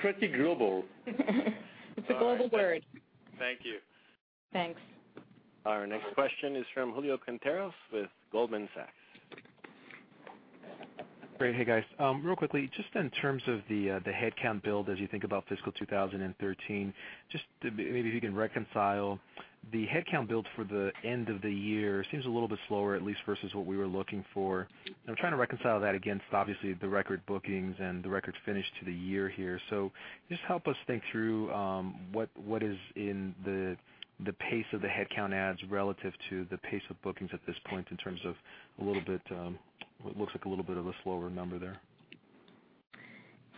[SPEAKER 3] Pretty global.
[SPEAKER 4] It's a global word.
[SPEAKER 7] Thank you.
[SPEAKER 4] Thanks.
[SPEAKER 1] Our next question is from Julio Quinteros with Goldman Sachs.
[SPEAKER 8] Great. Hey, guys. Real quickly, just in terms of the headcount build as you think about fiscal 2013, just maybe if you can reconcile the headcount build for the end of the year seems a little bit slower, at least versus what we were looking for. I'm trying to reconcile that against, obviously, the record bookings and the record finish to the year here. Just help us think through what is in the pace of the headcount adds relative to the pace of bookings at this point in terms of what looks like a little bit of a slower number there.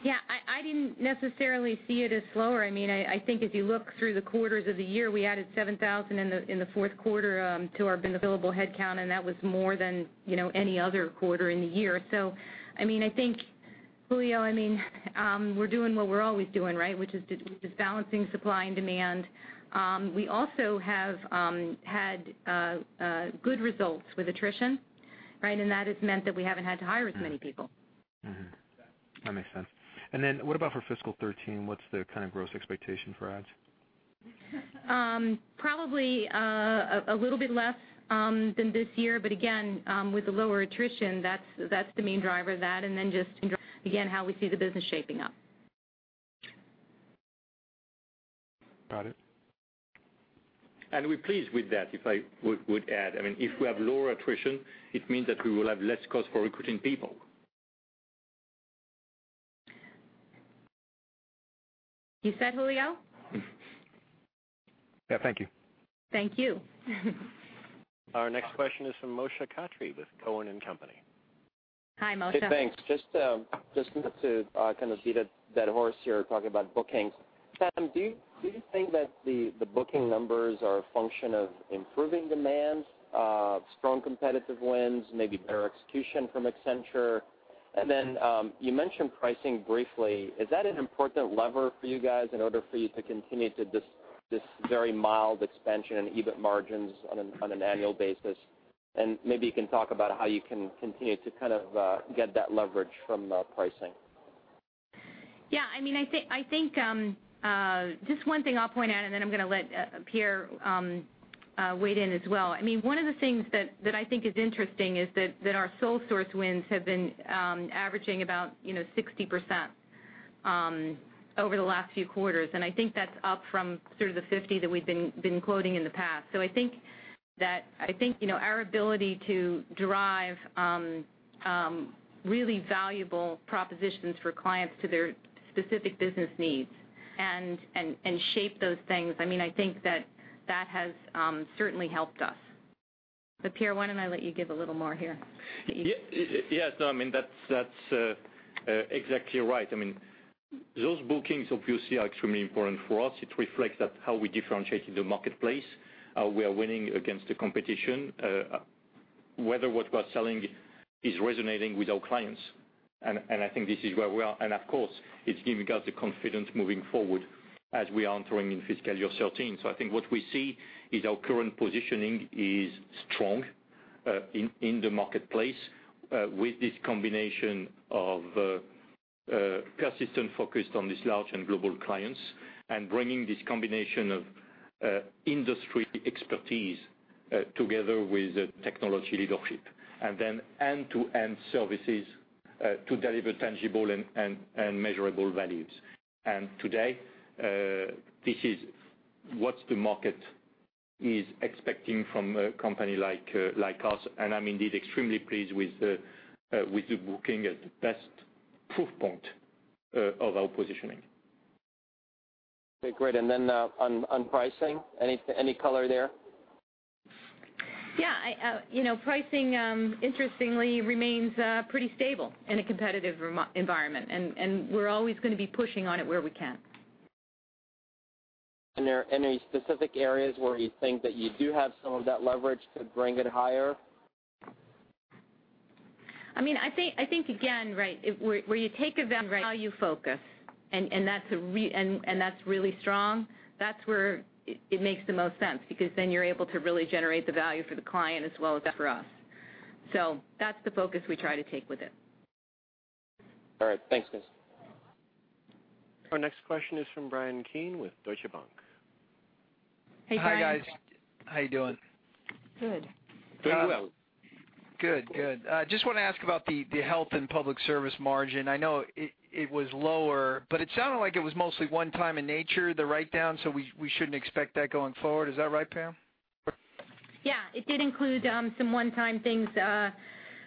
[SPEAKER 4] Yeah. I didn't necessarily see it as slower. I think if you look through the quarters of the year, we added 7,000 in the fourth quarter to our available headcount, and that was more than any other quarter in the year. I think, Julio, we're doing what we're always doing, right? Which is balancing supply and demand. We also have had good results with attrition, right? And that has meant that we haven't had to hire as many people.
[SPEAKER 8] Mm-hmm. That makes sense. What about for fiscal 2013? What's the kind of gross expectation for adds?
[SPEAKER 4] Probably a little bit less than this year, but again, with the lower attrition, that's the main driver of that, and then just in, again, how we see the business shaping up.
[SPEAKER 8] Got it.
[SPEAKER 3] We're pleased with that, if I would add. If we have lower attrition, it means that we will have less cost for recruiting people.
[SPEAKER 4] You said, Julio?
[SPEAKER 8] Yeah. Thank you.
[SPEAKER 4] Thank you.
[SPEAKER 1] Our next question is from Moshe Katri with Cowen and Company.
[SPEAKER 4] Hi, Moshe.
[SPEAKER 9] Hey, thanks. Just to kind of beat a dead horse here, talking about bookings. Pamela, do you think that the booking numbers are a function of improving demand, strong competitive wins, maybe better execution from Accenture? Then, you mentioned pricing briefly. Is that an important lever for you guys in order for you to continue this very mild expansion in EBIT margins on an annual basis? Maybe you can talk about how you can continue to kind of get that leverage from pricing.
[SPEAKER 4] Yeah. Just one thing I'll point out, then I'm going to let Pierre weigh in as well. One of the things that I think is interesting is that our sole source wins have been averaging about 60% over the last few quarters, and I think that's up from sort of the 50 that we've been quoting in the past. I think our ability to drive really valuable propositions for clients to their specific business needs and shape those things, I think that has certainly helped us. Pierre, why don't I let you give a little more here?
[SPEAKER 3] Yes. No, that's exactly right. Those bookings obviously are extremely important for us. It reflects that how we differentiate in the marketplace, how we are winning against the competition, whether what we're selling is resonating with our clients. I think this is where we are. Of course, it's giving us the confidence moving forward as we are entering in FY 2013. I think what we see is our current positioning is strong in the marketplace with this combination of persistent focus on these large and global clients and bringing this combination of industry expertise together with technology leadership. Then end-to-end services to deliver tangible and measurable values. Today, this is what the market is expecting from a company like us. I'm indeed extremely pleased with the booking as the best proof point of our positioning.
[SPEAKER 9] Okay, great. Then on pricing, any color there?
[SPEAKER 4] Yeah. Pricing, interestingly, remains pretty stable in a competitive environment. We're always going to be pushing on it where we can.
[SPEAKER 9] Are there any specific areas where you think that you do have some of that leverage to bring it higher?
[SPEAKER 4] I think, again, right, where you take a value focus, and that's really strong, that's where it makes the most sense because you're able to really generate the value for the client as well as for us. That's the focus we try to take with it.
[SPEAKER 9] All right. Thanks, guys.
[SPEAKER 1] Our next question is from Bryan Keane with Deutsche Bank.
[SPEAKER 4] Hey, Bryan.
[SPEAKER 10] Hi, guys. How you doing?
[SPEAKER 4] Good.
[SPEAKER 3] Very well.
[SPEAKER 10] Good. I just want to ask about the health and public service margin. I know it was lower. It sounded like it was mostly one time in nature, the write-down. We shouldn't expect that going forward. Is that right, Pam?
[SPEAKER 4] Yeah. It did include some one-time things.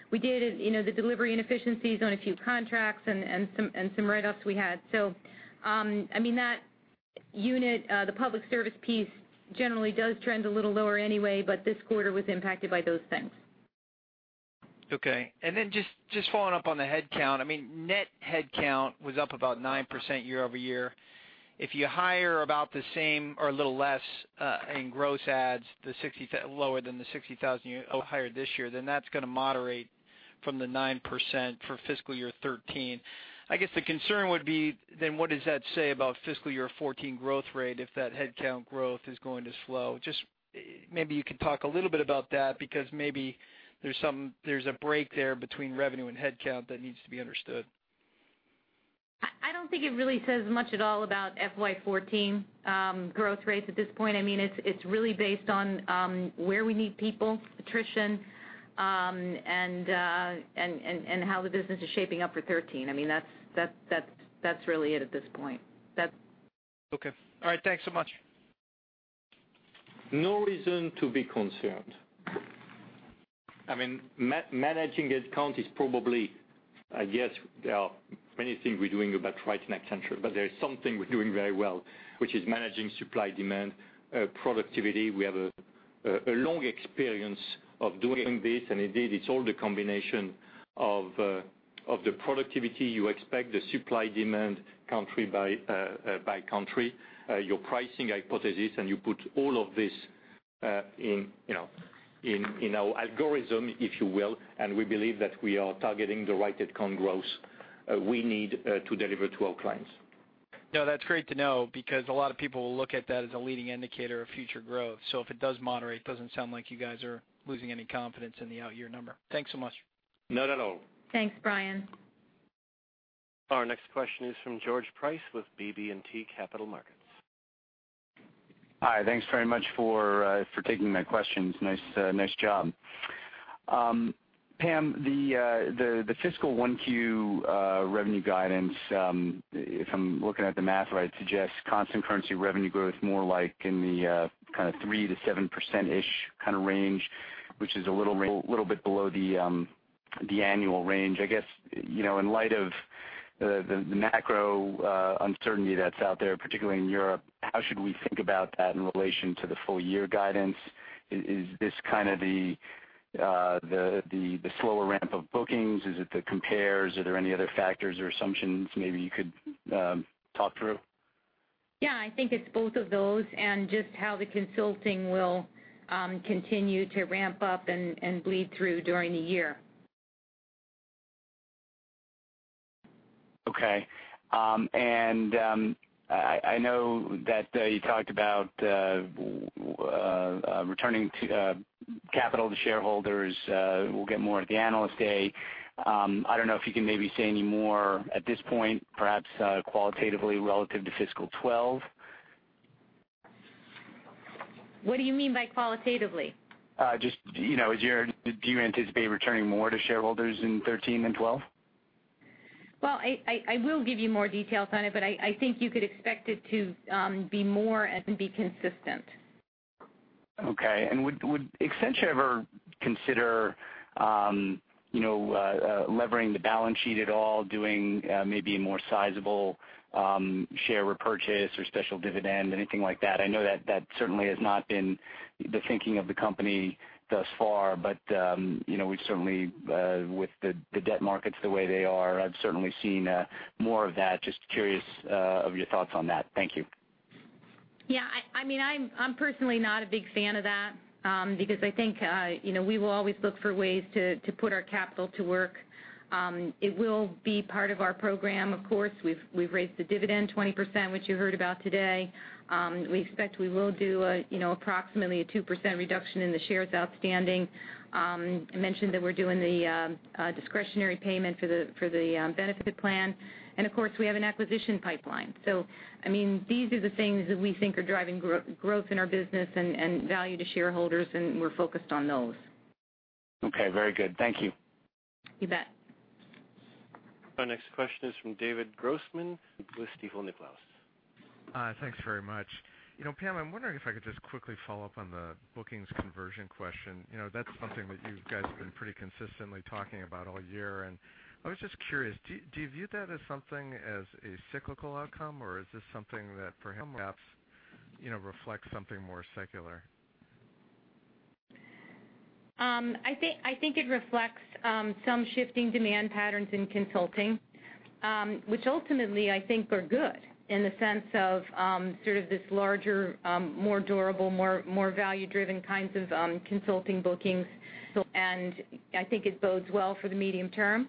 [SPEAKER 4] We did the delivery inefficiencies on a few contracts and some write-offs we had. That unit, the public service piece generally does trend a little lower anyway. This quarter was impacted by those things.
[SPEAKER 10] Okay. Just following up on the headcount. Net headcount was up about 9% year-over-year. If you hire about the same or a little less in gross adds, lower than the 60,000 you hired this year, that's going to moderate from the 9% for FY 2013. I guess the concern would be what does that say about FY 2014 growth rate if that headcount growth is going to slow? Just maybe you could talk a little bit about that because maybe there's a break there between revenue and headcount that needs to be understood.
[SPEAKER 4] I don't think it really says much at all about FY 2014 growth rates at this point. It's really based on where we need people, attrition, and how the business is shaping up for 2013. That's really it at this point.
[SPEAKER 10] Okay. All right. Thanks so much.
[SPEAKER 3] No reason to be concerned. Managing headcount is probably, I guess there are many things we're doing about right in Accenture, but there is something we're doing very well, which is managing supply, demand, productivity. We have a long experience of doing this, and indeed, it is all the combination of the productivity you expect, the supply-demand country by country, your pricing hypothesis, and you put all of this in our algorithm, if you will. We believe that we are targeting the right headcount growth we need to deliver to our clients.
[SPEAKER 10] No, that's great to know because a lot of people will look at that as a leading indicator of future growth. If it does moderate, doesn't sound like you guys are losing any confidence in the out-year number. Thanks so much.
[SPEAKER 3] Not at all.
[SPEAKER 4] Thanks, Bryan.
[SPEAKER 1] Our next question is from George Price with BB&T Capital Markets.
[SPEAKER 11] Hi. Thanks very much for taking my questions. Nice job. Pam, the fiscal 1Q revenue guidance, if I'm looking at the math right, suggests constant currency revenue growth more like in the 3%-7%-ish range, which is a little bit below the annual range. I guess, in light of the macro uncertainty that's out there, particularly in Europe, how should we think about that in relation to the full-year guidance? Is this the slower ramp of bookings? Is it the compares? Are there any other factors or assumptions maybe you could talk through?
[SPEAKER 4] Yeah, I think it's both of those and just how the consulting will continue to ramp up and bleed through during the year.
[SPEAKER 11] Okay. I know that you talked about returning capital to shareholders. We'll get more at the Analyst Day. I don't know if you can maybe say any more at this point, perhaps qualitatively relative to fiscal 2012.
[SPEAKER 4] What do you mean by qualitatively?
[SPEAKER 11] Just do you anticipate returning more to shareholders in 2013 than 2012?
[SPEAKER 4] Well, I will give you more details on it, but I think you could expect it to be more and be consistent.
[SPEAKER 11] Okay. Would Accenture ever consider levering the balance sheet at all, doing maybe a more sizable share repurchase or special dividend, anything like that? I know that certainly has not been the thinking of the company thus far, but with the debt markets the way they are, I've certainly seen more of that. Just curious of your thoughts on that. Thank you.
[SPEAKER 4] Yeah. I'm personally not a big fan of that because I think we will always look for ways to put our capital to work. It will be part of our program, of course. We've raised the dividend 20%, which you heard about today. We expect we will do approximately a 2% reduction in the shares outstanding. I mentioned that we're doing the discretionary payment for the benefit plan. Of course, we have an acquisition pipeline. These are the things that we think are driving growth in our business and value to shareholders, and we're focused on those.
[SPEAKER 11] Okay. Very good. Thank you.
[SPEAKER 4] You bet.
[SPEAKER 1] Our next question is from David Grossman with Stifel Nicolaus.
[SPEAKER 12] Thanks very much. Pam, I'm wondering if I could just quickly follow up on the bookings conversion question. That's something that you guys have been pretty consistently talking about all year. I was just curious, do you view that as something as a cyclical outcome, or is this something that perhaps reflects something more secular?
[SPEAKER 4] I think it reflects some shifting demand patterns in consulting, which ultimately I think are good in the sense of sort of this larger, more durable, more value-driven kinds of consulting bookings. I think it bodes well for the medium term.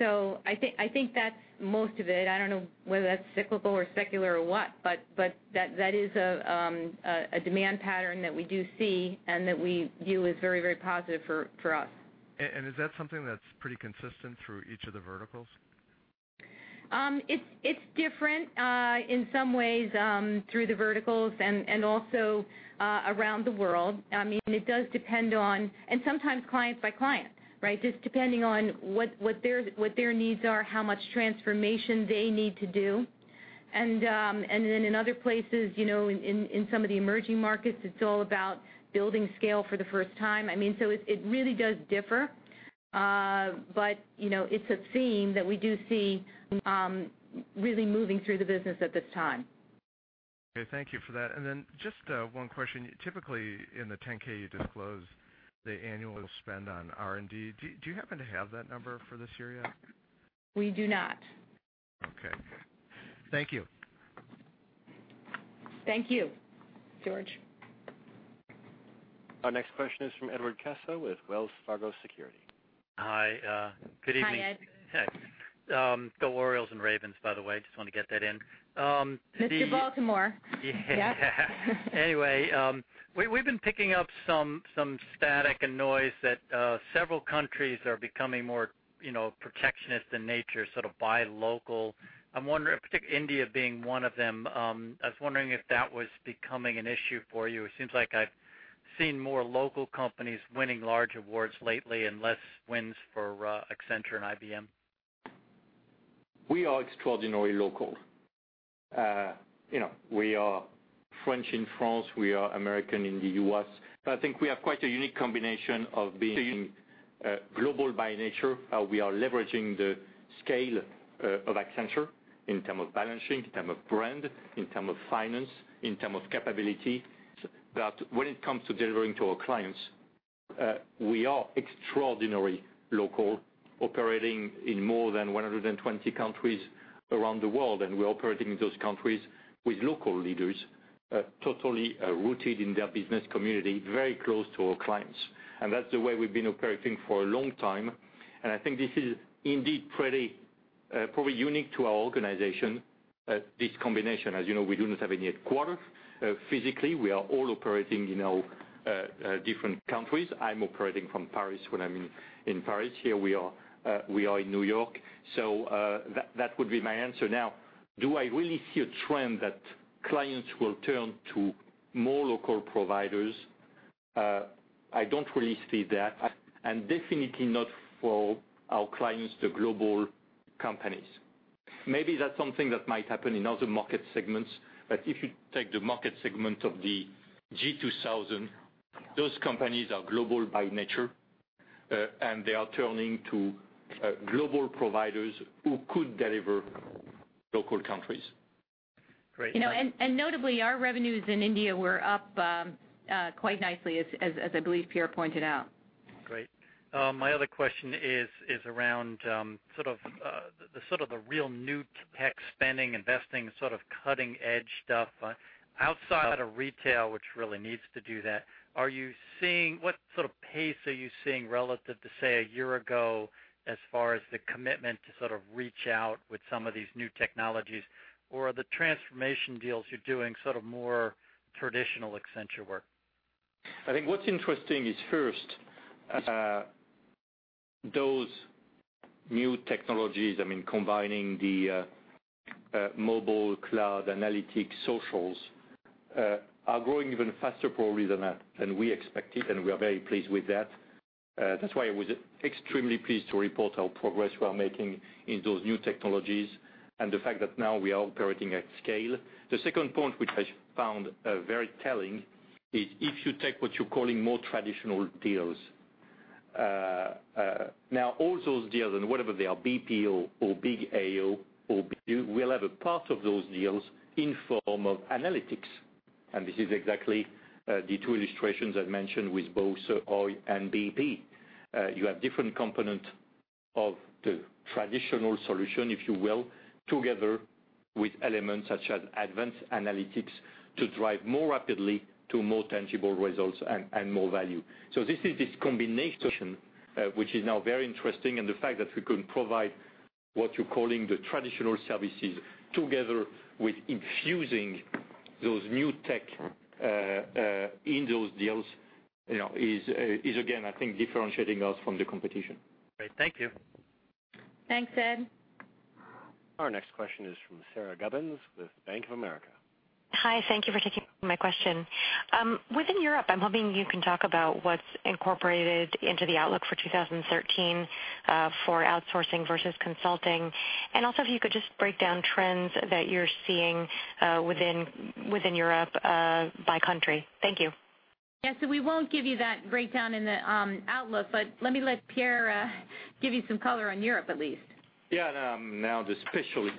[SPEAKER 4] I think that's most of it. I don't know whether that's cyclical or secular or what, that is a demand pattern that we do see and that we view as very positive for us.
[SPEAKER 12] Is that something that's pretty consistent through each of the verticals?
[SPEAKER 4] It's different in some ways through the verticals and also around the world, and sometimes clients by client, just depending on what their needs are, how much transformation they need to do. In other places, in some of the emerging markets, it's all about building scale for the first time. It really does differ. It's a theme that we do see really moving through the business at this time.
[SPEAKER 12] Okay. Thank you for that. Just one question. Typically, in the 10-K, you disclose the annual spend on R&D. Do you happen to have that number for this year yet?
[SPEAKER 4] We do not.
[SPEAKER 12] Okay. Thank you.
[SPEAKER 4] Thank you, George.
[SPEAKER 1] Our next question is from Edward Caso with Wells Fargo Securities.
[SPEAKER 13] Hi. Good evening.
[SPEAKER 4] Hi, Ed.
[SPEAKER 13] Hey. Go Orioles and Ravens, by the way. Just want to get that in.
[SPEAKER 4] Mr. Baltimore.
[SPEAKER 13] Yeah. We've been picking up some static and noise that several countries are becoming more protectionist in nature, sort of buy local. I'm wondering, particularly India being one of them. I was wondering if that was becoming an issue for you. It seems like I've seen more local companies winning large awards lately and less wins for Accenture and IBM.
[SPEAKER 3] We are extraordinarily local. We are French in France. We are American in the U.S. I think we have quite a unique combination of being global by nature. We are leveraging the scale of Accenture in terms of balancing, in terms of brand, in terms of finance, in terms of capability, that when it comes to delivering to our clients, we are extraordinarily local, operating in more than 120 countries around the world, and we are operating in those countries with local leaders, totally rooted in their business community, very close to our clients. That's the way we've been operating for a long time. I think this is indeed probably unique to our organization, this combination. As you know, we do not have any headquarters physically. We are all operating in our different countries. I'm operating from Paris when I'm in Paris. Here we are in New York. That would be my answer. Do I really see a trend that clients will turn to more local providers? I don't really see that, and definitely not for our clients, the global companies. Maybe that's something that might happen in other market segments. If you take the market segment of the G-2000, those companies are global by nature, and they are turning to global providers who could deliver local countries.
[SPEAKER 2] Great.
[SPEAKER 4] Notably, our revenues in India were up quite nicely, as I believe Pierre pointed out.
[SPEAKER 13] Great. My other question is around the real new tech spending, investing, cutting-edge stuff. Outside of retail, which really needs to do that, what sort of pace are you seeing relative to, say, a year ago as far as the commitment to reach out with some of these new technologies? Or are the transformation deals you're doing more traditional Accenture work?
[SPEAKER 3] I think what's interesting is first, those new technologies, combining the mobile cloud analytics socials, are growing even faster probably than we expected, and we are very pleased with that. That's why I was extremely pleased to report our progress we are making in those new technologies and the fact that now we are operating at scale. The second point, which I found very telling, is if you take what you're calling more traditional deals. All those deals and whatever they are, BPO or big AO or SI, will have a part of those deals in form of analytics. This is exactly the two illustrations I've mentioned with both Oi and BP. You have different component of the traditional solution, if you will, together with elements such as advanced analytics to drive more rapidly to more tangible results and more value. this is this combination which is now very interesting, and the fact that we can provide what you're calling the traditional services together with infusing those new tech in those deals is again, I think, differentiating us from the competition.
[SPEAKER 2] Great. Thank you.
[SPEAKER 4] Thanks, Ed.
[SPEAKER 1] Our next question is from Sara Gubins with Bank of America.
[SPEAKER 14] Hi. Thank you for taking my question. Within Europe, I'm hoping you can talk about what's incorporated into the outlook for 2013 for outsourcing versus consulting. Also if you could just break down trends that you're seeing within Europe by country. Thank you.
[SPEAKER 4] Yeah. We won't give you that breakdown in the outlook. Let me let Pierre give you some color on Europe, at least.
[SPEAKER 3] Yeah. I'm now the specialist,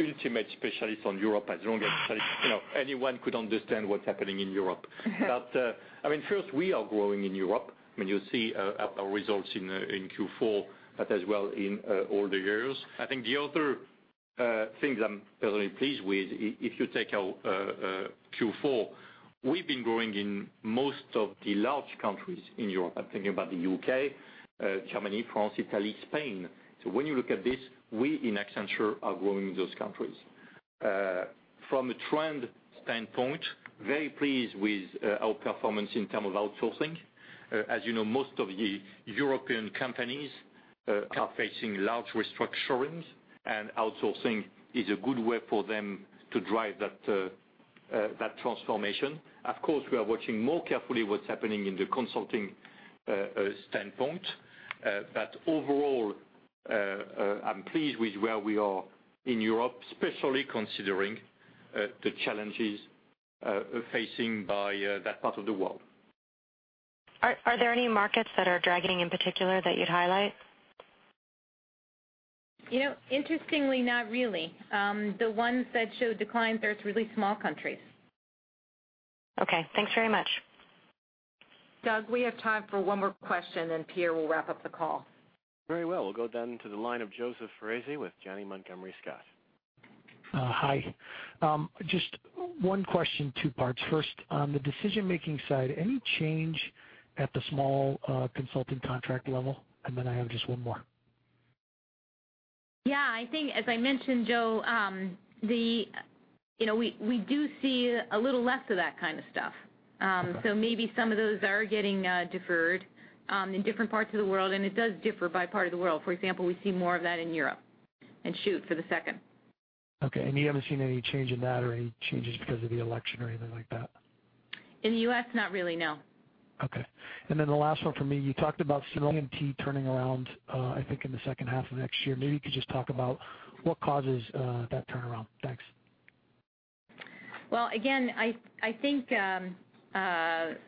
[SPEAKER 3] ultimate specialist on Europe as long as anyone could understand what's happening in Europe. First, we are growing in Europe. You'll see our results in Q4, but as well in all the years. I think the other things I'm very pleased with, if you take our Q4, we've been growing in most of the large countries in Europe. I'm thinking about the U.K., Germany, France, Italy, Spain. When you look at this, we in Accenture are growing those countries. From a trend standpoint, very pleased with our performance in terms of outsourcing. As you know, most of the European companies are facing large restructurings. Outsourcing is a good way for them to drive that transformation. Of course, we are watching more carefully what's happening in the consulting standpoint. Overall, I'm pleased with where we are in Europe, especially considering the challenges facing by that part of the world.
[SPEAKER 14] Are there any markets that are dragging in particular that you'd highlight?
[SPEAKER 4] Interestingly, not really. The ones that showed decline, they're really small countries.
[SPEAKER 14] Okay. Thanks very much.
[SPEAKER 2] Doug, we have time for one more question, Pierre will wrap up the call.
[SPEAKER 1] Very well. We'll go to the line of Joseph Foresi with Janney Montgomery Scott.
[SPEAKER 15] Hi. Just one question, two parts. First, on the decision-making side, any change at the small consulting contract level? Then I have just one more.
[SPEAKER 4] Yeah, I think as I mentioned, Joe, we do see a little less of that kind of stuff.
[SPEAKER 15] Okay.
[SPEAKER 4] Maybe some of those are getting deferred in different parts of the world, and it does differ by part of the world. For example, we see more of that in Europe. Shoot for the second.
[SPEAKER 15] Okay. You haven't seen any change in that or any changes because of the election or anything like that?
[SPEAKER 4] In the U.S., not really, no.
[SPEAKER 15] Okay. The last one for me, you talked about CMT turning around I think in the second half of next year. Maybe you could just talk about what causes that turnaround. Thanks.
[SPEAKER 4] Well, again, I think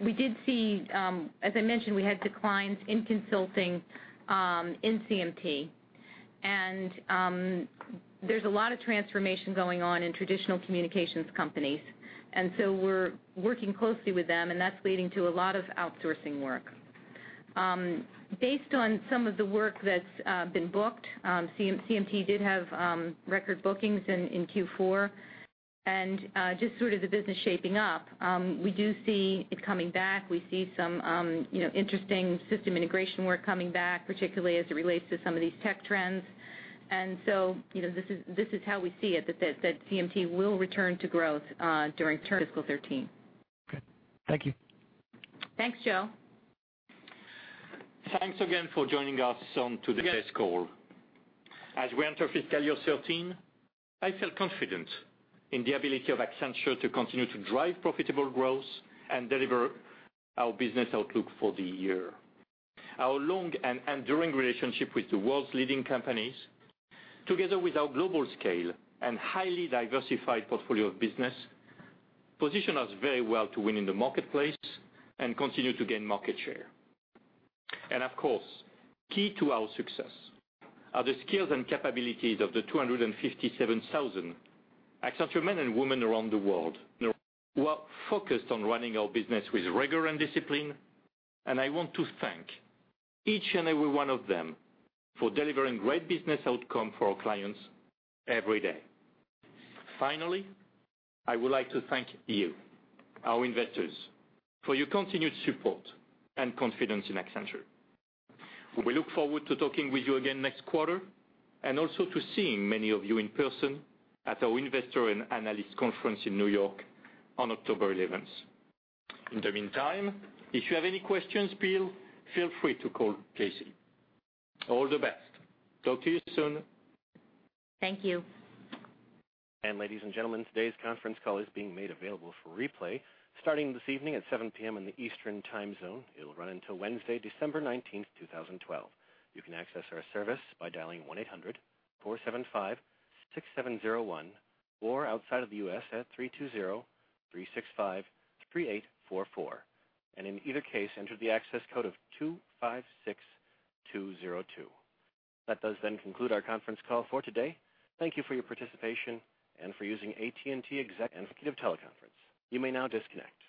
[SPEAKER 4] we did see, as I mentioned, we had declines in consulting, in CMT, there's a lot of transformation going on in traditional communications companies. We're working closely with them, and that's leading to a lot of outsourcing work. Based on some of the work that's been booked, CMT did have record bookings in Q4 and just sort of the business shaping up. We do see it coming back. We see some interesting system integration work coming back, particularly as it relates to some of these tech trends. This is how we see it, that CMT will return to growth during FY 2013.
[SPEAKER 15] Okay. Thank you.
[SPEAKER 4] Thanks, Joe.
[SPEAKER 3] Thanks again for joining us on today's call. As we enter fiscal year 2013, I feel confident in the ability of Accenture to continue to drive profitable growth and deliver our business outlook for the year. Our long and enduring relationship with the world's leading companies, together with our global scale and highly diversified portfolio of business, position us very well to win in the marketplace and continue to gain market share. Of course, key to our success are the skills and capabilities of the 257,000 Accenture men and women around the world who are focused on running our business with rigor and discipline. I want to thank each and every one of them for delivering great business outcome for our clients every day. Finally, I would like to thank you, our investors, for your continued support and confidence in Accenture. We look forward to talking with you again next quarter and also to seeing many of you in person at our Investor and Analyst Conference in New York on October 11th. In the meantime, if you have any questions, please feel free to call Casey. All the best. Talk to you soon.
[SPEAKER 4] Thank you.
[SPEAKER 1] Ladies and gentlemen, today's conference call is being made available for replay starting this evening at 7:00 P.M. in the Eastern Time Zone. It will run until Wednesday, December 19th, 2012. You can access our service by dialing 1-800-475-6701, or outside of the U.S. at 320-365-3844. In either case, enter the access code of 256202. That does conclude our conference call for today. Thank you for your participation and for using AT&T Executive Teleconference. You may now disconnect.